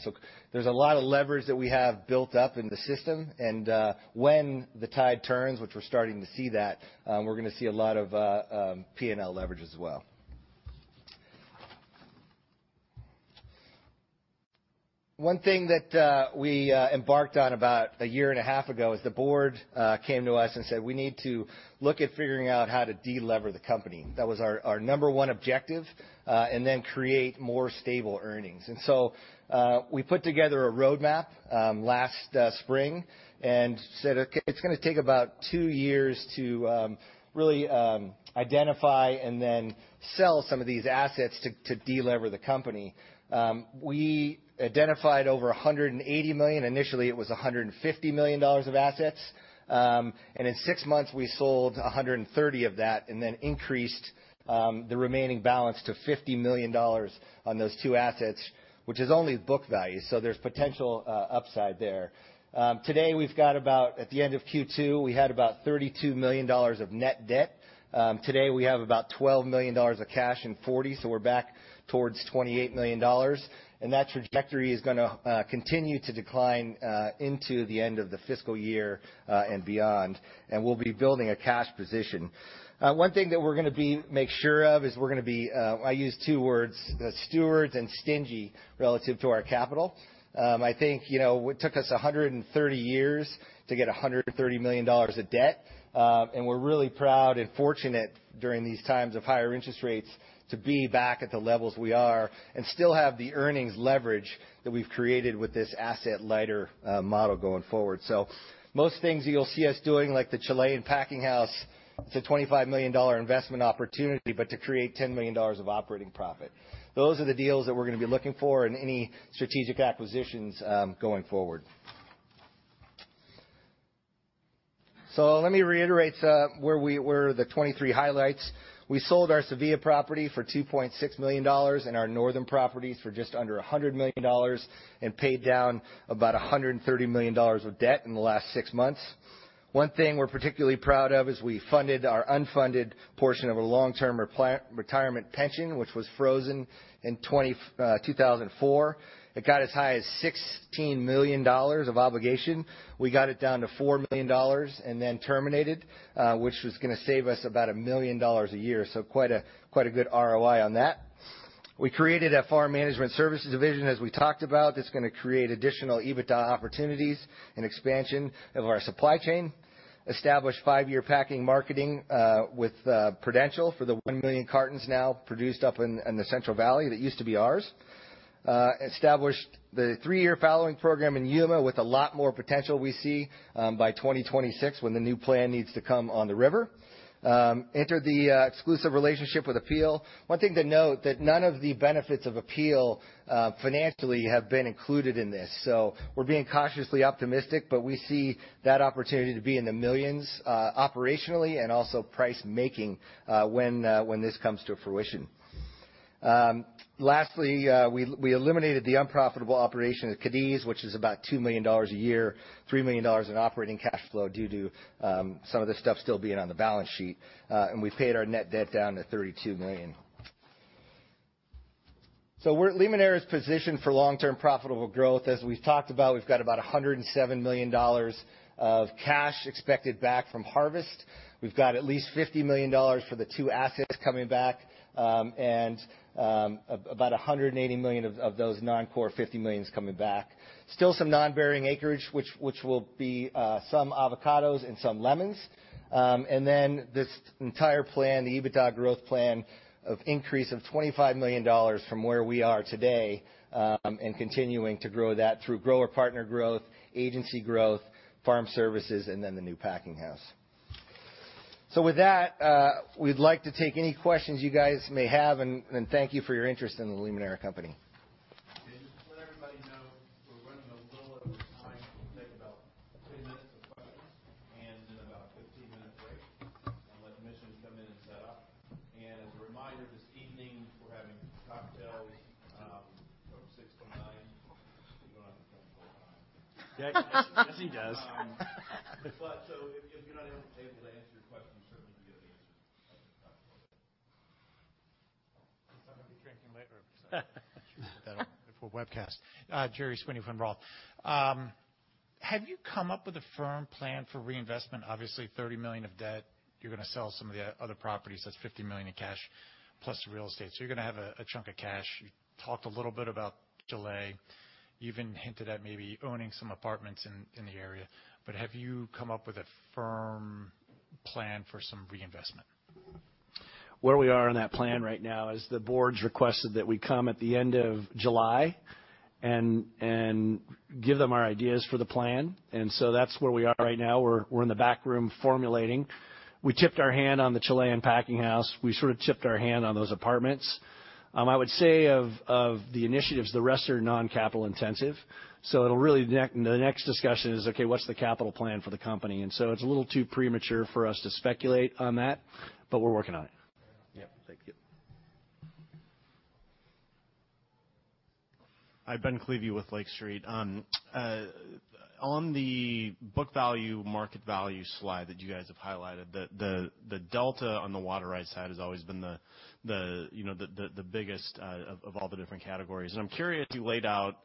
[SPEAKER 6] There's a lot of leverage that we have built up in the system, when the tide turns, which we're starting to see that, we're gonna see a lot of P&L leverage as well. One thing that we embarked on about a year and a half ago is the board came to us and said, "We need to look at figuring out how to de-lever the company." That was our number one objective, then create more stable earnings. We put together a roadmap last spring and said, "Okay, it's gonna take about two years to really identify and then sell some of these assets to de-lever the company." We identified over $180 million. Initially, it was $150 million of assets, in six months, we sold $130 million of that and then increased the remaining balance to $50 million on those two assets, which is only book value. There's potential upside there. Today, At the end of Q2, we had about $32 million of net debt. Today, we have about $12 million of cash in 40, so we're back towards $28 million, and that trajectory is gonna continue to decline into the end of the fiscal year and beyond, and we'll be building a cash position. One thing that we're gonna make sure of is we're gonna be I use two words, stewards and stingy, relative to our capital. I think, you know, it took us 130 years to get $130 million of debt, and we're really proud and fortunate during these times of higher interest rates to be back at the levels we are and still have the earnings leverage that we've created with this asset lighter model going forward. Most things you'll see us doing, like the Chilean packing house, it's a $25 million investment opportunity, but to create $10 million of operating profit. Those are the deals that we're gonna be looking for in any strategic acquisitions going forward. Let me reiterate where we were, the 23 highlights. We sold our Sevilla property for $2.6 million and our Northern properties for just under $100 million and paid down about $130 million of debt in the last six months. One thing we're particularly proud of is we funded our unfunded portion of a long-term retirement pension, which was frozen in 2004. It got as high as $16 million of obligation. We got it down to $4 million and then terminated, which was gonna save us about $1 million a year. Quite a good ROI on that. We created a farm management services division, as we talked about. That's gonna create additional EBITDA opportunities and expansion of our supply chain. Established five-year packing marketing with Prudential for the onemillion cartons now produced up in the Central Valley that used to be ours. Established the three-year fallowing program in Yuma with a lot more potential we see by 2026, when the new plan needs to come on the river. Entered the exclusive relationship with Apeel. One thing to note, that none of the benefits of Apeel financially have been included in this. We're being cautiously optimistic, but we see that opportunity to be in the millions operationally and also price-making when when this comes to fruition. Lastly, we eliminated the unprofitable operation at Cadiz, which is about $2 million a year, $3 million in operating cash flow, due to some of this stuff still being on the balance sheet, and we paid our net debt down to $32 million. Limoneira is positioned for long-term profitable growth. As we've talked about, we've got about $107 million of cash expected back from harvest. We've got at least $50 million for the two assets coming back, and about $180 million of those non-core $50 million is coming back. Still some non-bearing acreage, which will be some avocados and some lemons. This entire plan, the EBITDA growth plan, of increase of $25 million from where we are today, and continuing to grow that through grower partner growth, agency growth, farm services, and then the new packing house. With that, we'd like to take any questions you guys may have, and thank you for your interest in the Limoneira Company.
[SPEAKER 7] Just to let everybody know, we're running a little over time. We'll take about 10 minutes of questions, and then about a 15-minute break, and let Mission come in and set up. As a reminder, this evening, we're having cocktails, from 6:00 P.M.-9:00 P.M. He goes on the phone the whole time.
[SPEAKER 6] Yes, he does.
[SPEAKER 7] If you're not able to answer your question, you certainly can get an answer at the cocktail party. I'm gonna be drinking later.
[SPEAKER 8] Put that on before webcast. Gerry Sweeney from ROTH. Have you come up with a firm plan for reinvestment? Obviously, $30 million of debt. You're gonna sell some of the other properties. That's $50 million in cash, plus real estate, so you're gonna have a chunk of cash. You talked a little bit about delay, even hinted at maybe owning some apartments in the area, but have you come up with a firm plan for some reinvestment?
[SPEAKER 2] Where we are on that plan right now is the Board's requested that we come at the end of July and give them our ideas for the plan. That's where we are right now. We're in the back room formulating. We tipped our hand on the Chilean packing house. We sort of tipped our hand on those apartments. I would say of the initiatives, the rest are non-capital intensive, so it'll really the next discussion is, okay, what's the capital plan for the Company? It's a little too premature for us to speculate on that, but we're working on it.
[SPEAKER 8] Yeah. Thank you.
[SPEAKER 9] Hi, Ben Klieve with Lake Street. On the book value, market value slide that you guys have highlighted, the delta on the water right side has always been you know, the biggest of all the different categories. I'm curious, you laid out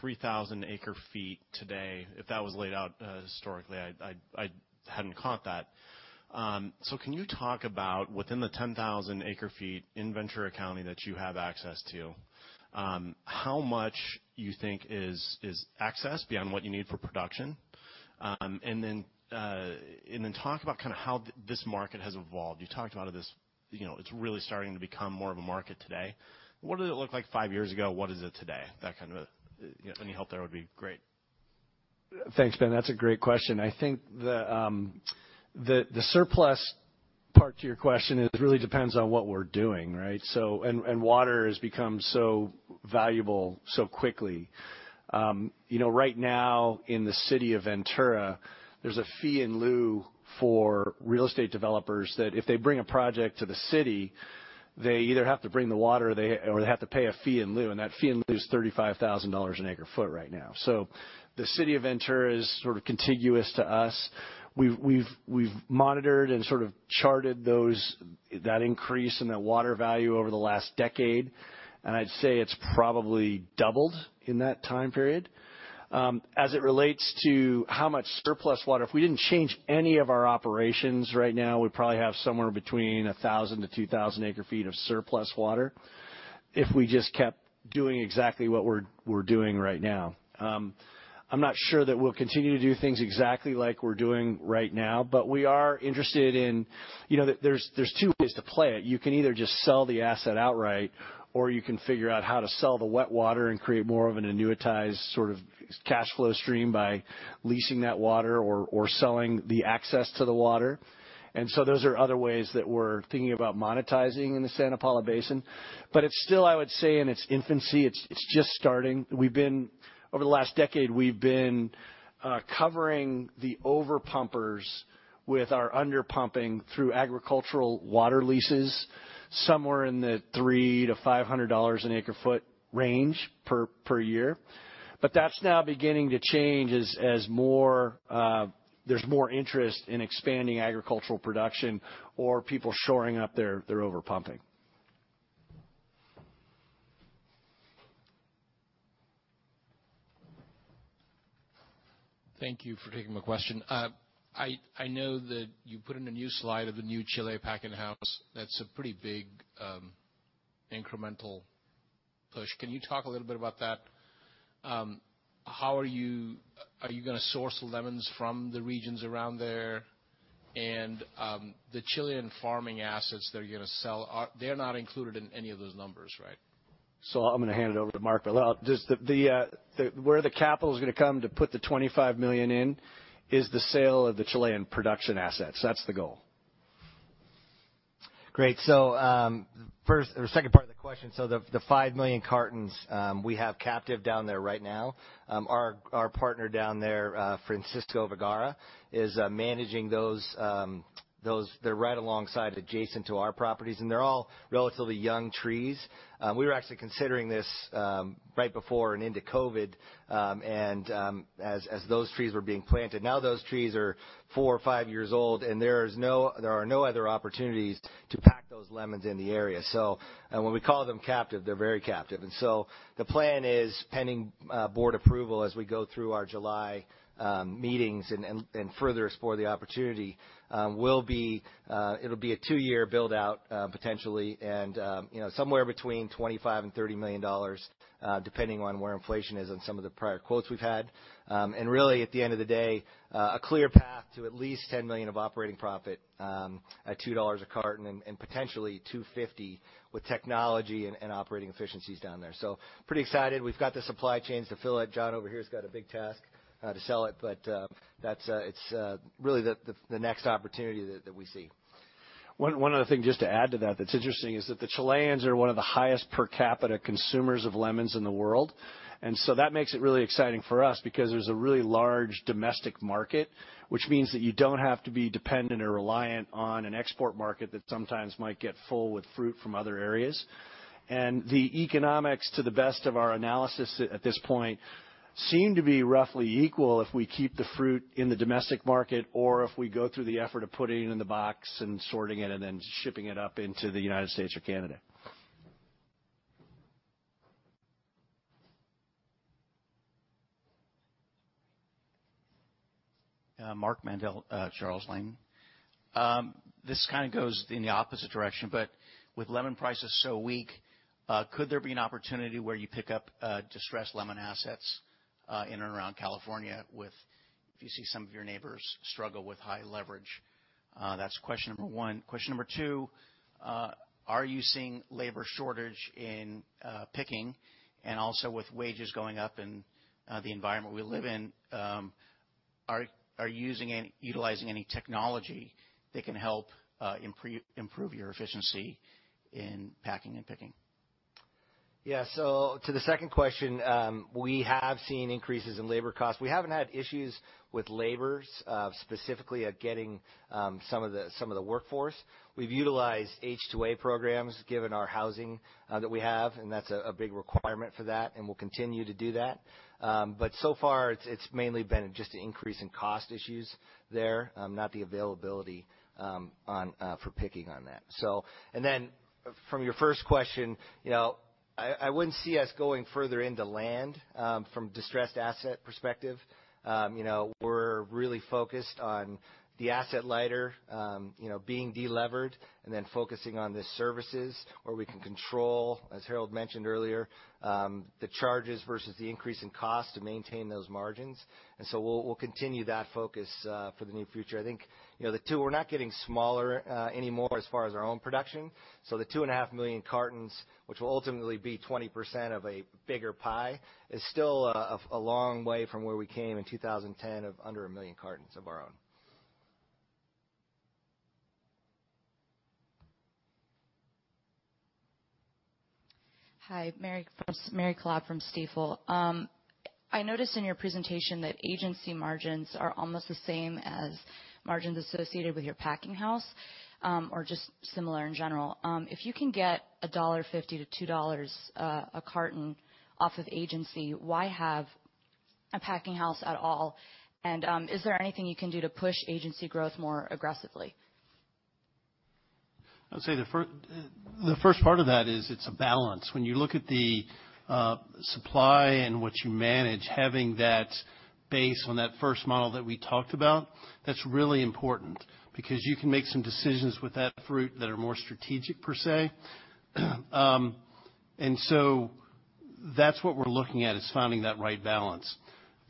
[SPEAKER 9] 3,000 acre feet today, if that was laid out historically, I hadn't caught that. Can you talk about within the 10,000 acre feet in Ventura County that you have access to, how much you think is access beyond what you need for production? Then talk about kind of how this market has evolved. You talked about this, you know, it's really starting to become more of a market today. What did it look like five years ago? What is it today? Any help there would be great.
[SPEAKER 2] Thanks, Ben. That's a great question. I think the surplus part to your question is, it really depends on what we're doing, right? Water has become so valuable so quickly. You know, right now, in the city of Ventura, there's a fee in lieu for real estate developers, that if they bring a project to the city, they either have to bring the water, they, or they have to pay a fee in lieu, and that fee in lieu is $35,000 an acre foot right now. The city of Ventura is sort of contiguous to us. We've monitored and sort of charted that increase in the water value over the last decade, and I'd say it's probably doubled in that time period. As it relates to how much surplus water, if we didn't change any of our operations right now, we'd probably have somewhere between 1,000 to 2,000 acre feet of surplus water, if we just kept doing exactly what we're doing right now. I'm not sure that we'll continue to do things exactly like we're doing right now, but we are interested in. There's two ways to play it. You can either just sell the asset outright, or you can figure out how to sell the wet water and create more of an annuitized sort of cash flow stream by leasing that water or selling the access to the water. Those are other ways that we're thinking about monetizing in the Santa Paula Basin. It's still, I would say, in its infancy. It's just starting. Over the last decade, we've been covering the over-pumpers with our under-pumping through agricultural water leases, somewhere in the $300-$500 an acre foot range per year. That's now beginning to change as more, there's more interest in expanding agricultural production or people shoring up their over-pumping.
[SPEAKER 9] Thank you for taking my question. I know that you put in a new slide of the new Chile packing house. That's a pretty big incremental push. Can you talk a little bit about that? How are you gonna source lemons from the regions around there? The Chilean farming assets that you're gonna sell, they're not included in any of those numbers, right?
[SPEAKER 2] I'm going to hand it over to Mark. Just where the capital is going to come to put the $25 million in, is the sale of the Chilean production assets. That's the goal.
[SPEAKER 6] Great. First, or second part of the question, the $5 million cartons we have captive down there right now. Our partner down there, Francisco Vergara, is managing those. They're right alongside, adjacent to our properties, and they're all relatively young trees. We were actually considering this right before and into COVID, and as those trees were being planted. Now those trees are four or five years old, and there are no other opportunities to pack those lemons in the area. When we call them captive, they're very captive. The plan is, pending board approval as we go through our July meetings and further explore the opportunity, will be, it'll be a two-year build-out potentially, and, you know, somewhere between $25 million-$30 million, depending on where inflation is on some of the prior quotes we've had. Really, at the end of the day, a clear path to at least $10 million of operating profit, at $2 a carton and potentially $2.50 with technology and operating efficiencies down there. Pretty excited. We've got the supply chains to fill it. John over here has got a big task to sell it. That's really the next opportunity that we see.
[SPEAKER 1] One other thing, just to add to that's interesting, is that the Chileans are one of the highest per capita consumers of lemons in the world. That makes it really exciting for us because there's a really large domestic market, which means that you don't have to be dependent or reliant on an export market that sometimes might get full with fruit from other areas. The economics, to the best of our analysis at this point, seem to be roughly equal if we keep the fruit in the domestic market or if we go through the effort of putting it in the box and sorting it, and then shipping it up into the United States or Canada.
[SPEAKER 10] Mark Mandell, Charles Lane. This kind of goes in the opposite direction. With lemon prices so weak, could there be an opportunity where you pick up distressed lemon assets in and around California if you see some of your neighbors struggle with high leverage? That's question number one. Question number two, are you seeing labor shortage in picking, and also with wages going up and the environment we live in, are you utilizing any technology that can help improve your efficiency in packing and picking?
[SPEAKER 6] Yeah. To the second question, we have seen increases in labor costs. We haven't had issues with labors specifically at getting some of the workforce. We've utilized H-2A programs, given our housing that we have, and that's a big requirement for that, and we'll continue to do that. So far, it's mainly been just an increase in cost issues there, not the availability on for picking on that. From your first question, you know, I wouldn't see us going further into land from distressed asset perspective. You know, we're really focused on the asset-light, you know, being delevered, and then focusing on the services where we can control, as Harold mentioned earlier, the charges versus the increase in cost to maintain those margins. We'll continue that focus for the near future. I think, you know, We're not getting smaller anymore as far as our own production, so the 2.5 million cartons, which will ultimately be 20% of a bigger pie, is still a long way from where we came in 2010, of under one million cartons of our own.
[SPEAKER 11] Hi, Mary Pine from Stifel. I noticed in your presentation that agency margins are almost the same as margins associated with your packing house, or just similar in general. If you can get $1.50-$2 a carton off of agency, why have a packing house at all? Is there anything you can do to push agency growth more aggressively?
[SPEAKER 2] I would say, the first part of that is it's a balance. When you look at the supply and what you manage, having that base on that first model that we talked about, that's really important because you can make some decisions with that fruit that are more strategic per se. That's what we're looking at, is finding that right balance.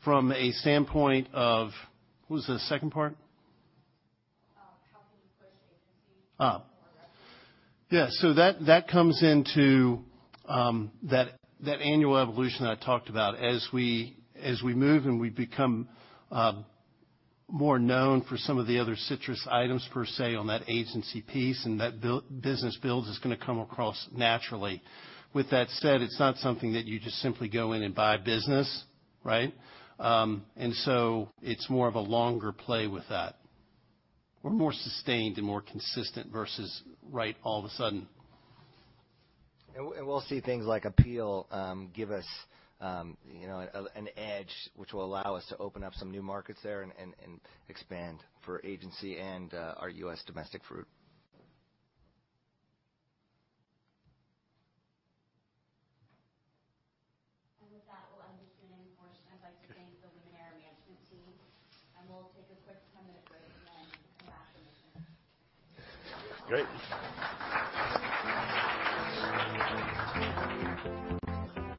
[SPEAKER 2] From a standpoint of... What was the second part?
[SPEAKER 11] How can you push.
[SPEAKER 2] Ah.
[SPEAKER 11] more aggressively?
[SPEAKER 2] Yeah. That comes into that annual evolution I talked about. As we move and we become more known for some of the other citrus items per se, on that agency piece and that business build is gonna come across naturally. With that said, it's not something that you just simply go in and buy a business, right? It's more of a longer play with that, or more sustained and more consistent versus right all of a sudden.
[SPEAKER 1] We'll see things like Apeel, give us, you know, an edge, which will allow us to open up some new markets there and expand for agency and, our U.S. domestic fruit.
[SPEAKER 12] With that, we'll end the Q&A portion. I'd like to thank the Limoneira management team, and we'll take a quick 10-minute break, and then come back with more.
[SPEAKER 2] Great!